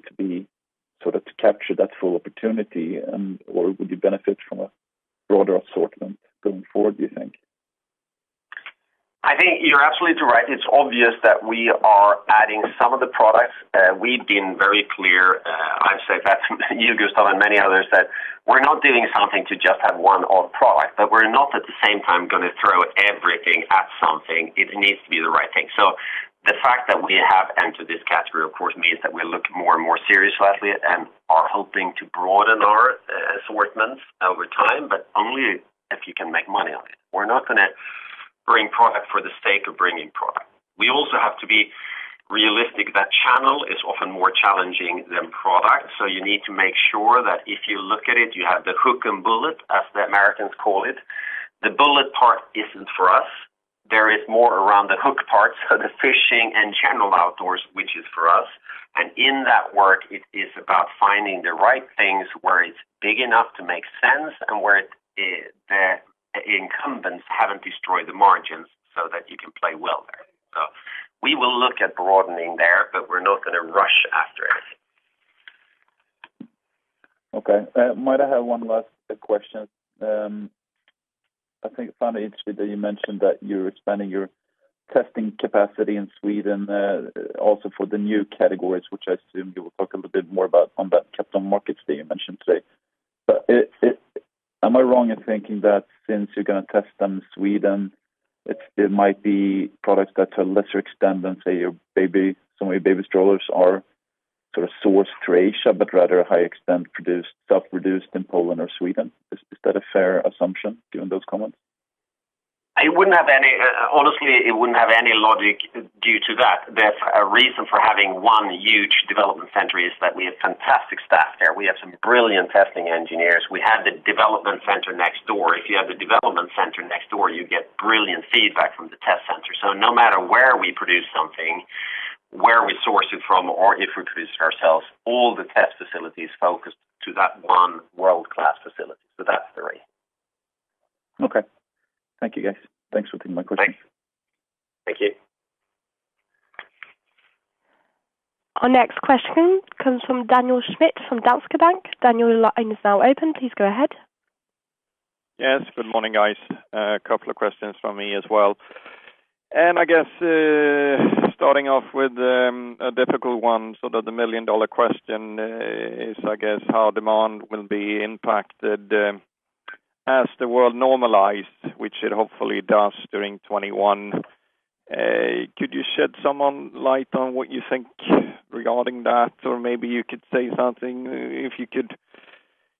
Speaker 4: to capture that full opportunity? Would you benefit from a broader assortment going forward, do you think?
Speaker 1: I think you're absolutely right. It's obvious that we are adding some of the products. We've been very clear, I've said that to you, Gustav, and many others, that we're not doing something to just have one odd product, but we're not at the same time going to throw everything at something. It needs to be the right thing. The fact that we have entered this category, of course, means that we're looking more and more seriously at it and are hoping to broaden our assortments over time, but only if you can make money on it. We're not going to bring product for the sake of bringing product. We also have to be realistic that channel is often more challenging than product. You need to make sure that if you look at it, you have the hook and bullet, as the Americans call it. The bullet part isn't for us. There is more around the hook part, so the fishing and general outdoors, which is for us. In that work, it is about finding the right things where it's big enough to make sense and where the incumbents haven't destroyed the margins so that you can play well there. We will look at broadening there, but we're not going to rush after it.
Speaker 4: Okay. Might I have one last quick question? I think I found it interesting that you mentioned that you're expanding your testing capacity in Sweden, also for the new categories, which I assume you will talk a little bit more about on that Capital Markets Day you mentioned today. Am I wrong in thinking that since you're going to test them in Sweden, it might be products that to a lesser extent than, say, some of your baby strollers are sourced through Asia, but rather a high extent stuff produced in Poland or Sweden. Is that a fair assumption given those comments?
Speaker 1: Honestly, it wouldn't have any logic due to that. The reason for having one huge development center is that we have fantastic staff there. We have some brilliant testing engineers. We have the development center next door. If you have the development center next door, you get brilliant feedback from the Test Center. No matter where we produce something, where we source it from, or if we produce it ourselves, all the test facilities focus to that one world-class facility. That's the reason.
Speaker 4: Okay. Thank you, guys. Thanks for taking my questions.
Speaker 1: Thanks. Thank you.
Speaker 3: Our next question comes from Daniel Schmidt from Danske Bank. Daniel, your line is now open. Please go ahead.
Speaker 5: Yes. Good morning, guys. A couple of questions from me as well. I guess, starting off with a difficult one, sort of the million-dollar question is, I guess, how demand will be impacted as the world normalizes, which it hopefully does during 2021. Could you shed some light on what you think regarding that? Or maybe you could say something, if you could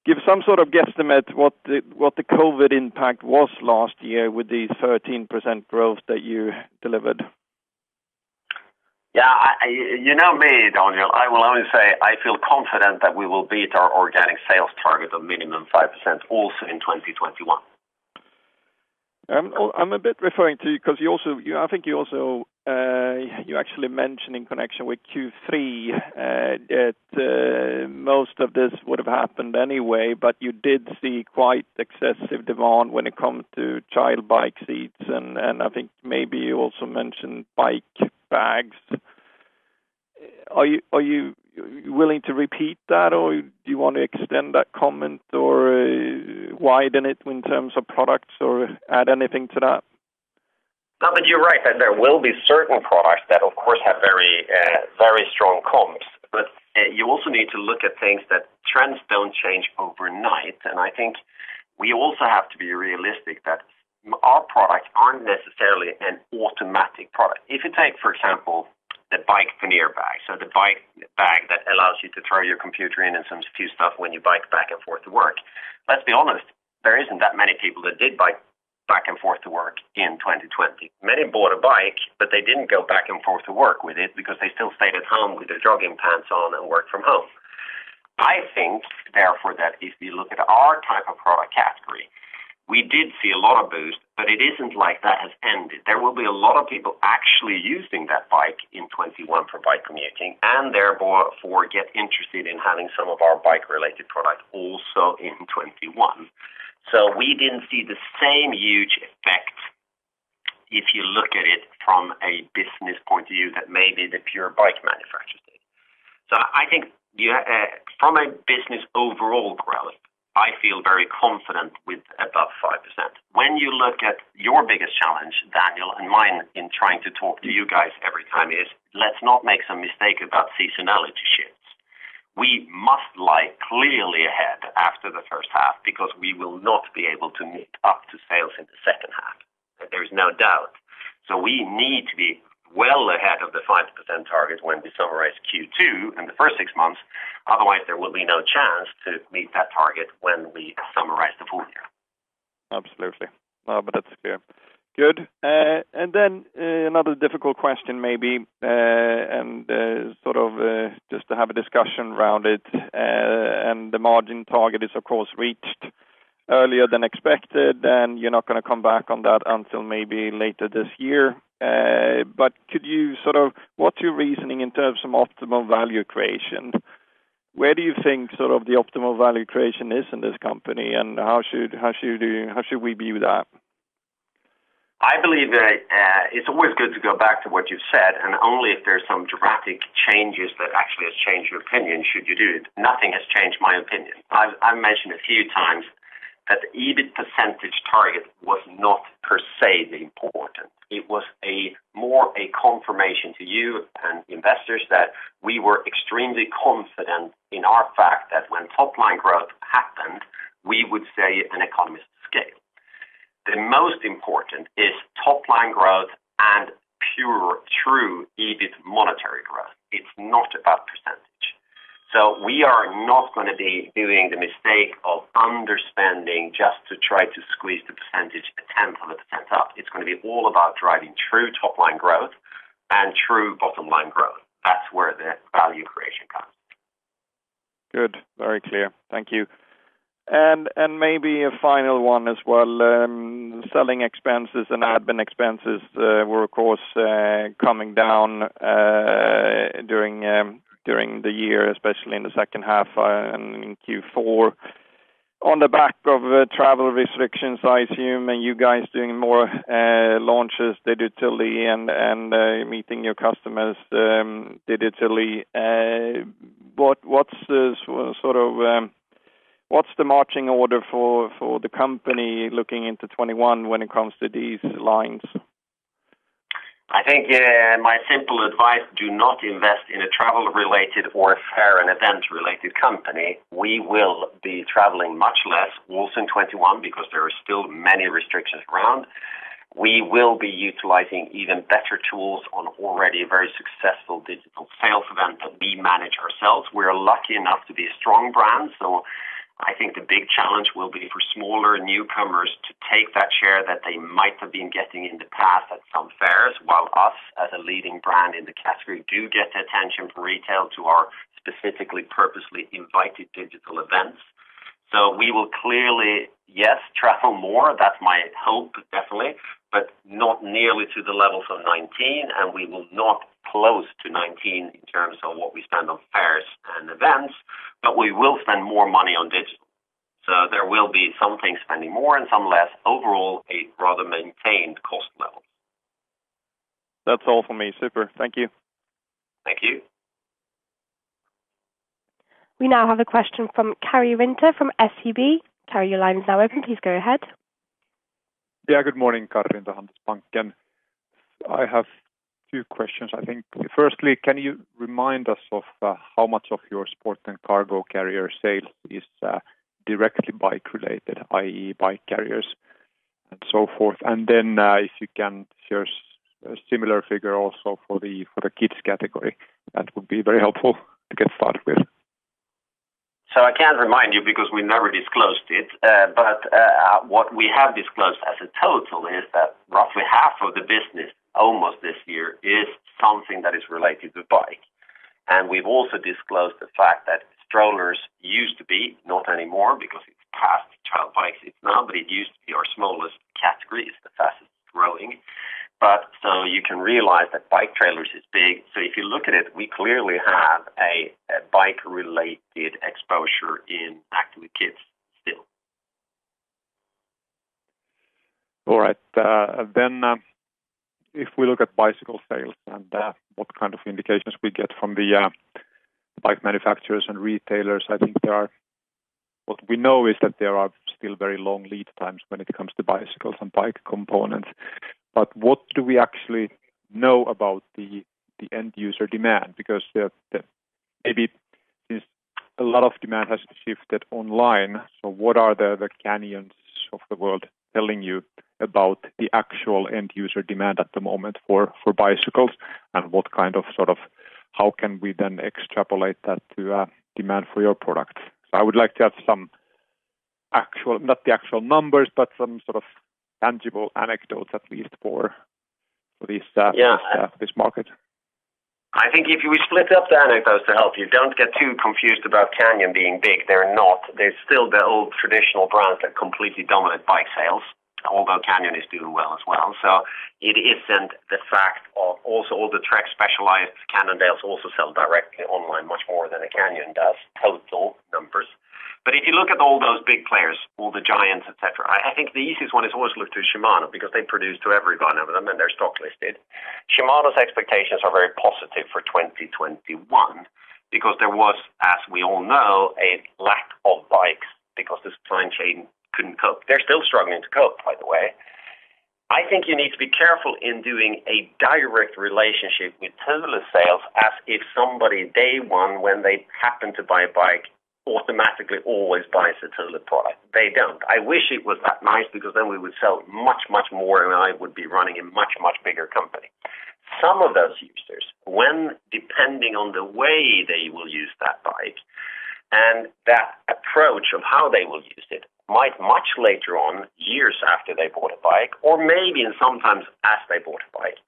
Speaker 5: give some sort of guesstimate what the COVID impact was last year with the 13% growth that you delivered?
Speaker 1: Yeah. You know me, Daniel. I will only say I feel confident that we will beat our organic sales target of minimum 5% also in 2021.
Speaker 5: I'm a bit referring to you because I think you actually mentioned in connection with Q3 that most of this would have happened anyway, but you did see quite excessive demand when it comes to child bike seats and I think maybe you also mentioned bike bags. Are you willing to repeat that or do you want to extend that comment or widen it in terms of products or add anything to that?
Speaker 1: You're right that there will be certain products that, of course, have very strong comps. You also need to look at things that trends don't change overnight, and I think we also have to be realistic that our products aren't necessarily an automatic product. If you take, for example, the bike pannier bag, so the bike bag that allows you to throw your computer in and some few stuff when you bike back and forth to work. Let's be honest, there isn't that many people that did bike back and forth to work in 2020. Many bought a bike, but they didn't go back and forth to work with it because they still stayed at home with their jogging pants on and worked from home. I think, therefore, that if you look at our type of product category, we did see a lot of boost, but it isn't like that has ended. There will be a lot of people actually using that bike in 2021 for bike commuting, and therefore, get interested in having some of our bike-related products also in 2021. We didn't see the same huge effect if you look at it from a business point of view that maybe the pure bike manufacturers did. I think from a business overall growth, I feel very confident with above 5%. When you look at your biggest challenge to you guys every time is, let's not make some mistake about seasonality shifts. We must lie clearly ahead after the first half because we will not be able to meet up to sales in the second half. There is no doubt. We need to be well ahead of the 5% target when we summarize Q2 in the first six months. Otherwise, there will be no chance to meet that target when we summarize the full year.
Speaker 5: Absolutely. No, that's clear. Good. Another difficult question maybe, and just to have a discussion around it, and the margin target is of course reached earlier than expected, and you're not going to come back on that until maybe later this year. What's your reasoning in terms of optimal value creation? Where do you think the optimal value creation is in this company, and how should we view that?
Speaker 1: I believe that it's always good to go back to what you've said, Only if there's some dramatic changes that actually has changed your opinion should you do it. Nothing has changed my opinion. I've mentioned a few times that the EBIT percentage target was not per se the important. It was more a confirmation to you and investors that we were extremely confident in our fact that when top-line growth happened, we would say economic scale. The most important is top-line growth and pure true EBIT monetary growth. It's not about percentage. We are not going to be doing the mistake of understating just to try to squeeze the percentage, 1/10 of a percent up. It's going to be all about driving true top-line growth and true bottom-line growth. That's where the value creation comes.
Speaker 5: Good. Very clear. Thank you. Maybe a final one as well. Selling expenses and admin expenses were of course coming down during the year, especially in the second half and in Q4 on the back of travel restrictions, I assume, and you guys doing more launches digitally and meeting your customers digitally. What's the marching order for the company looking into 2021 when it comes to these lines?
Speaker 1: I think my simple advice, do not invest in a travel-related or fair and event-related company. We will be traveling much less also in 2021 because there are still many restrictions ground. We will be utilizing even better tools on already a very successful digital sales event that we manage ourselves. We're lucky enough to be a strong brand. I think the big challenge will be for smaller newcomers to take that share that they might have been getting in the past at some fairs, while us, as a leading brand in the category, do get the attention for retail to our specifically purposely invited digital events. We will clearly, yes, travel more. That's my hope, definitely, but not nearly to the levels of 2019, and we will not close to 2019 in terms of what we spend on fairs and events, but we will spend more money on digital. There will be some things spending more and some less. Overall, a rather maintained cost level.
Speaker 5: That's all for me. Super. Thank you.
Speaker 1: Thank you.
Speaker 3: We now have a question from Karri Rinta from SEB. Karri, your line is now open. Please go ahead.
Speaker 6: Yeah, good morning, Karri Rinta, Handelsbanken. I have two questions, I think. Firstly, can you remind us of how much of your Sport&Cargo Carriers sale is directly bike related, i.e., bike carriers and so forth? If you can share a similar figure also for the Kids category, that would be very helpful to get started with.
Speaker 1: I can't remind you because we never disclosed it, but what we have disclosed as a total is that roughly half of the business almost this year is something that is related to bike. We've also disclosed the fact that strollers used to be, not anymore because it's past child bikes, it's not, but it used to be our smallest category. It's the fastest-growing. You can realize that bike trailers is big. If you look at it, we clearly have a bike-related exposure in Active with Kids still.
Speaker 6: All right. If we look at bicycle sales and what kind of indications we get from the bike manufacturers and retailers, I think what we know is that there are still very long lead times when it comes to bicycles and bike components. What do we actually know about the end user demand? Because maybe since a lot of demand has shifted online, what are the Canyons of the world telling you about the actual end user demand at the moment for bicycles, and how can we extrapolate that to demand for your product? I would like to have not the actual numbers, but some sort of tangible anecdotes at least for this market.
Speaker 1: I think if we split up the anecdotes to help you, don't get too confused about Canyon being big. They're not. There's still the old traditional brands that completely dominate bike sales, although Canyon is doing well as well. It isn't the fact of also all the Trek, Specialized, Cannondale also sell directly online much more than a Canyon does, total numbers. If you look at all those big players, all the Giant, et cetera, I think the easiest one is always look to Shimano because they produce to every one of them and they're stock listed. Shimano's expectations are very positive for 2021. Because there was, as we all know, a lack of bikes because the supply chain couldn't cope. They're still struggling to cope, by the way. I think you need to be careful in doing a direct relationship with Thule sales as if somebody, day one, when they happen to buy a bike, automatically always buys a Thule product. They don't. I wish it was that nice because then we would sell much, much more and I would be running a much, much bigger company. Some of those users, when, depending on the way they will use that bike, and that approach of how they will use it might much later on, years after they bought a bike or maybe and sometimes as they bought a bike,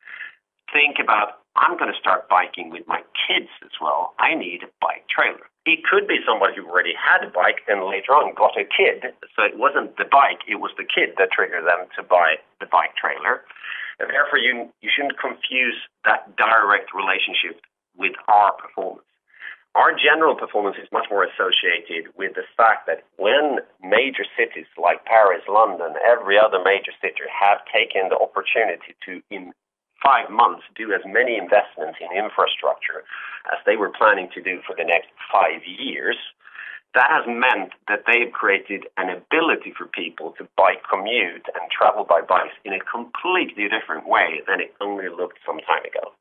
Speaker 1: think about, "I'm going to start biking with my kids as well. I need a bike trailer." It could be somebody who already had a bike then later on got a kid, so it wasn't the bike, it was the kid that triggered them to buy the bike trailer. Therefore, you shouldn't confuse that direct relationship with our performance. Our general performance is much more associated with the fact that when major cities like Paris, London, every other major city have taken the opportunity to, in five months, do as many investments in infrastructure as they were planning to do for the next five years. That has meant that they've created an ability for people to bike commute, and travel by bikes in a completely different way than it only looked some time ago.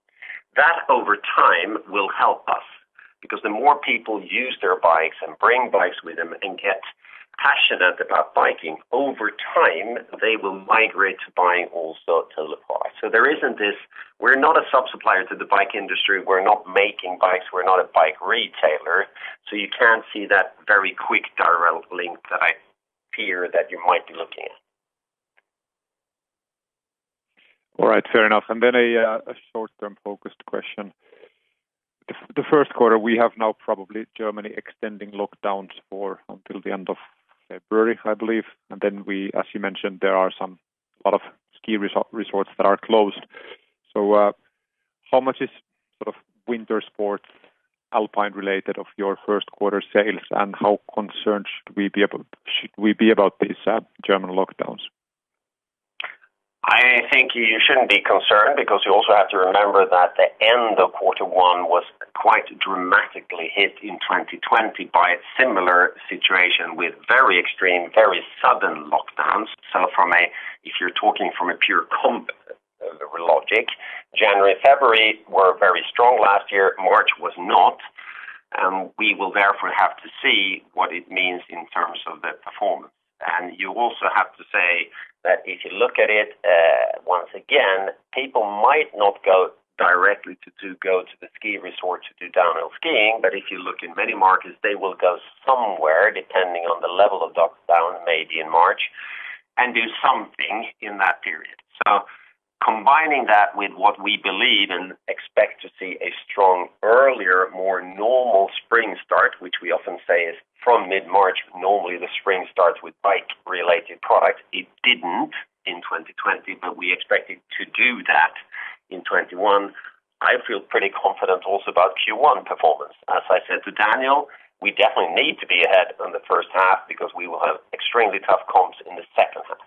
Speaker 1: Over time will help us, because the more people use their bikes and bring bikes with them and get passionate about biking over time, they will migrate to buying also Thule products. There isn't this, we're not a sub-supplier to the bike industry. We're not making bikes. We're not a bike retailer. You can't see that very quick direct link that I fear that you might be looking at.
Speaker 6: All right. Fair enough. A short-term focused question. The first quarter, we have now probably Germany extending lockdowns for until the end of February, I believe. We, as you mentioned, there are a lot of ski resorts that are closed. How much is winter sports Alpine related of your first quarter sales, and how concerned should we be about these German lockdowns?
Speaker 1: I think you shouldn't be concerned because you also have to remember that the end of quarter one was quite dramatically hit in 2020 by a similar situation with very extreme, very sudden lockdowns. If you're talking from a pure comp logic, January, February were very strong last year. March was not. We will therefore have to see what it means in terms of the performance. You also have to say that if you look at it, once again, people might not go directly to go to the ski resort to do downhill skiing, but if you look in many markets, they will go somewhere depending on the level of lockdowns maybe in March, and do something in that period. Combining that with what we believe and expect to see a strong earlier, more normal spring start, which we often say is from mid-March, normally the spring starts with bike-related products. It didn't in 2020, but we expect it to do that in 2021. I feel pretty confident also about Q1 performance. As I said to Daniel, we definitely need to be ahead on the first half because we will have extremely tough comps in the second half.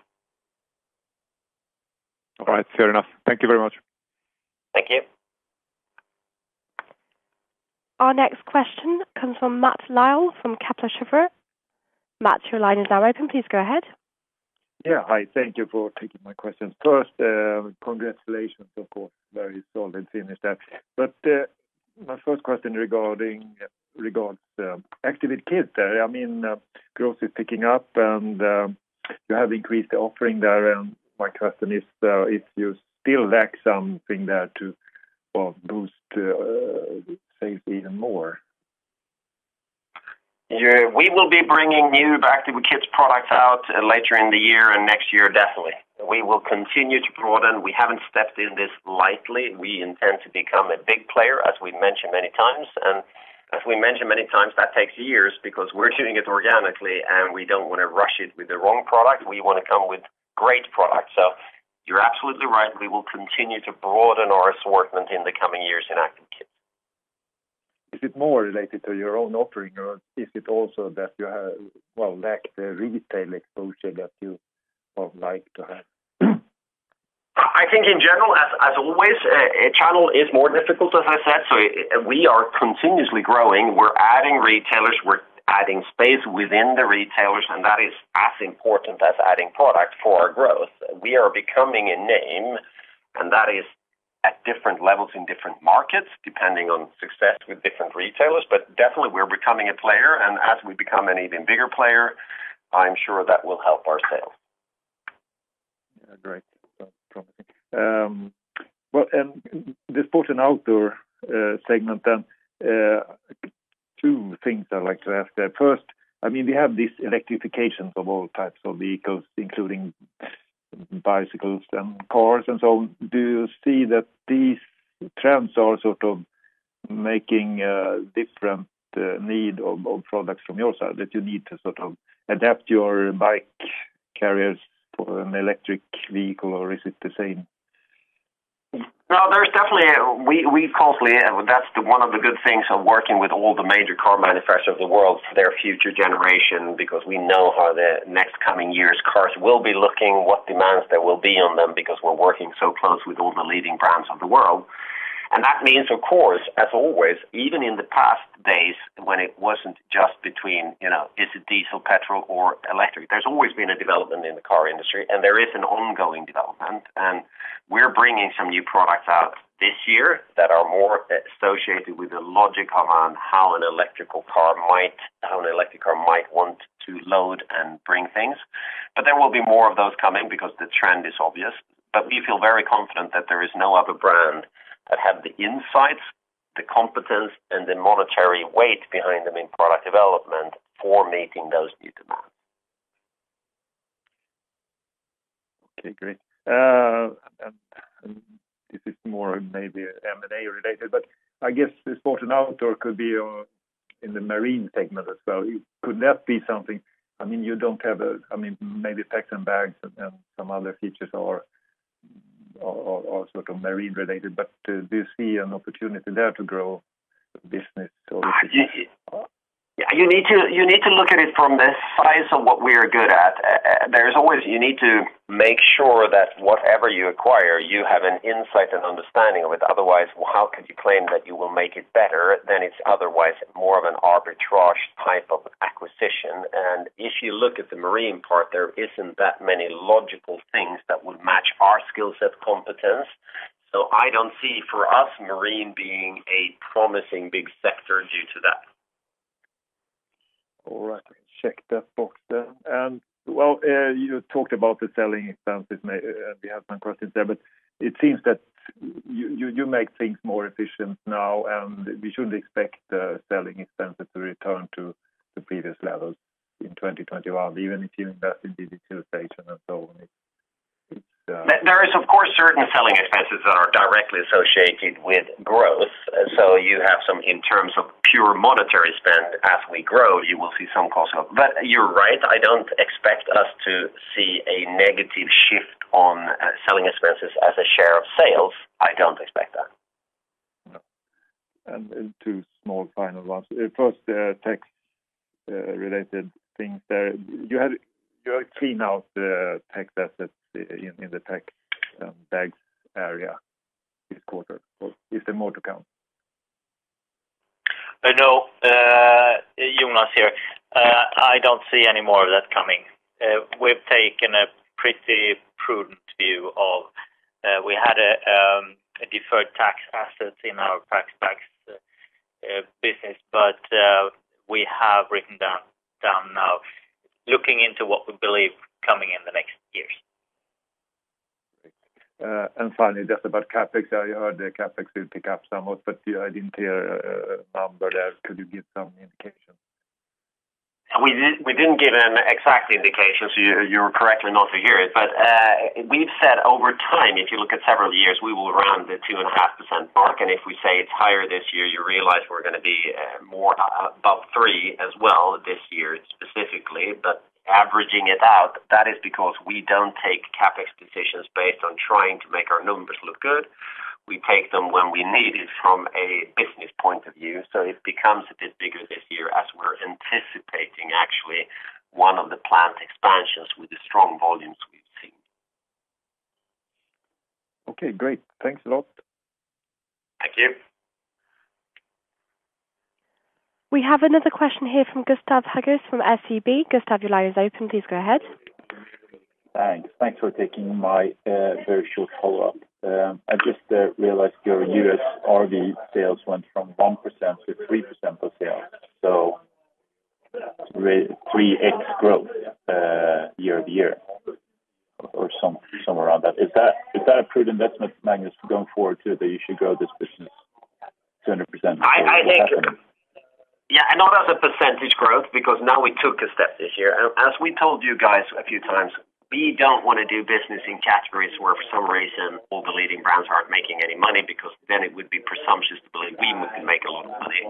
Speaker 6: All right. Fair enough. Thank you very much.
Speaker 1: Thank you.
Speaker 3: Our next question comes from Mats Liss from Kepler Cheuvreux. Mats, your line is now open. Please go ahead.
Speaker 7: Yeah. Hi. Thank you for taking my questions. First, congratulations, of course, very solid finish there. My first question regards Active with Kids there. Growth is picking up and you have increased the offering there and my question is if you still lack something there to boost sales even more?
Speaker 1: Yeah. We will be bringing new Active with Kids products out later in the year and next year definitely. We will continue to broaden. We haven't stepped in this lightly. We intend to become a big player, as we've mentioned many times. As we mentioned many times, that takes years because we're doing it organically and we don't want to rush it with the wrong product. We want to come with great products. You're absolutely right. We will continue to broaden our assortment in the coming years in Active Kids.
Speaker 7: Is it more related to your own offering or is it also that you lack the retail exposure that you would like to have?
Speaker 1: I think in general, as always, channel is more difficult, as I said. We are continuously growing. We're adding retailers. We're adding space within the retailers, and that is as important as adding product for our growth. We are becoming a name, and that is at different levels in different markets, depending on success with different retailers. Definitely we're becoming a player, and as we become an even bigger player, I'm sure that will help our sales.
Speaker 7: Yeah, great. Sounds promising. Well, in the Sports & Outdoor segment then, two things I'd like to ask there. First, we have this electrification of all types of vehicles, including bicycles and cars and so on. Do you see that these trends are sort of making a different need of products from your side? That you need to sort of adapt your bike carriers for an electric vehicle, or is it the same?
Speaker 1: We constantly, that's one of the good things of working with all the major car manufacturers of the world for their future generation, because we know how the next coming years cars will be looking, what demands there will be on them because we're working so closely with all the leading brands of the world. That means, of course, as always, even in the past days, when it wasn't just between, is it diesel, petrol or electric? There's always been a development in the car industry, and there is an ongoing development, and we're bringing some new products out this year that are more associated with the logic around how an electric car might want to load and bring things. There will be more of those coming because the trend is obvious.
Speaker 5: We feel very confident that there is no other brand that have the insights, the competence, and the monetary weight behind them in product development for meeting those new demands.
Speaker 7: Okay, great. This is more maybe M&A related, but I guess the Sport and Outdoor could be in the marine segment as well. Could that be something? You don't have, maybe Packs & Bags and some other features or sort of marine-related, but do you see an opportunity there to grow business.
Speaker 1: You need to look at it from the size of what we are good at. You need to make sure that whatever you acquire, you have an insight and understanding of it. Otherwise, how could you claim that you will make it better? It's otherwise more of an arbitrage type of acquisition. If you look at the marine part, there isn't that many logical things that would match our skill set competence. I don't see, for us, marine being a promising big sector due to that.
Speaker 7: All right. We can check that box then. You talked about the selling expenses, we have some questions there, but it seems that you make things more efficient now, and we should expect the selling expenses to return to the previous levels in 2021, even if you invest in digital station and so on.
Speaker 1: There is, of course, certain selling expenses that are directly associated with growth. You have some in terms of pure monetary spend. As we grow, you will see some cost up. You're right, I don't expect us to see a negative shift on selling expenses as a share of sales. I don't expect that.
Speaker 7: No. Two small final ones. First, tax related things there. You had cleaned out the tax assets in the tech bags area this quarter. Is there more to come?
Speaker 2: No. Jonas here. I don't see any more of that coming. We had a deferred tax asset in our packs business, but we have written down now, looking into what we believe coming in the next years.
Speaker 7: Finally, just about CapEx. I heard the CapEx did pick up somewhat, but I didn't hear a number there. Could you give some indication?
Speaker 1: We didn't give an exact indication, so you're correct in not to hear it. We've said over time, if you look at several years, we will round the 2.5% mark, and if we say it's higher this year, you realize we're going to be more above 3% as well this year specifically. Averaging it out, that is because we don't take CapEx decisions based on trying to make our numbers look good. We take them when we need it from a business point of view. It becomes a bit bigger this year as we're anticipating actually one of the plant expansions with the strong volumes we've seen.
Speaker 7: Okay, great. Thanks a lot.
Speaker 1: Thank you.
Speaker 3: We have another question here from Gustav Hagéus from SEB. Gustav, your line is open. Please go ahead.
Speaker 4: Thanks for taking my very short follow-up. I just realized your U.S. RV sales went from 1% to 3% of sales. 3x growth year-over-year or somewhere around that. Is that a prudent investment, Magnus, going forward, too, that you should grow this business 10% or what's happening?
Speaker 1: Not as a percentage growth because now we took a step this year. As we told you guys a few times, we don't want to do business in categories where for some reason all the leading brands aren't making any money because then it would be presumptuous to believe we would make a lot of money.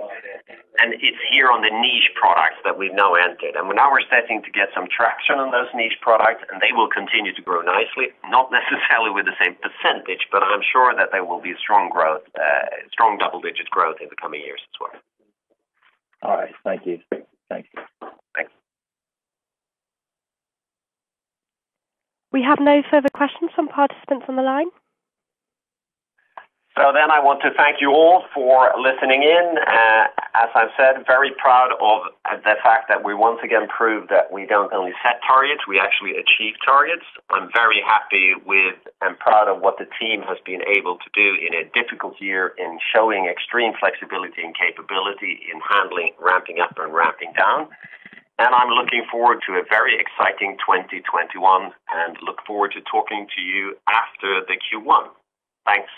Speaker 1: It's here on the niche products that we've now entered. Now we're starting to get some traction on those niche products, and they will continue to grow nicely, not necessarily with the same percentage, but I'm sure that there will be strong double-digit growth in the coming years as well.
Speaker 4: All right. Thank you.
Speaker 1: Sure.
Speaker 4: Thank you.
Speaker 1: Thanks.
Speaker 3: We have no further questions from participants on the line.
Speaker 1: I want to thank you all for listening in. As I've said, very proud of the fact that we once again proved that we don't only set targets, we actually achieve targets. I'm very happy with and proud of what the team has been able to do in a difficult year in showing extreme flexibility and capability in handling ramping up and ramping down. I'm looking forward to a very exciting 2021 and look forward to talking to you after the Q1. Thanks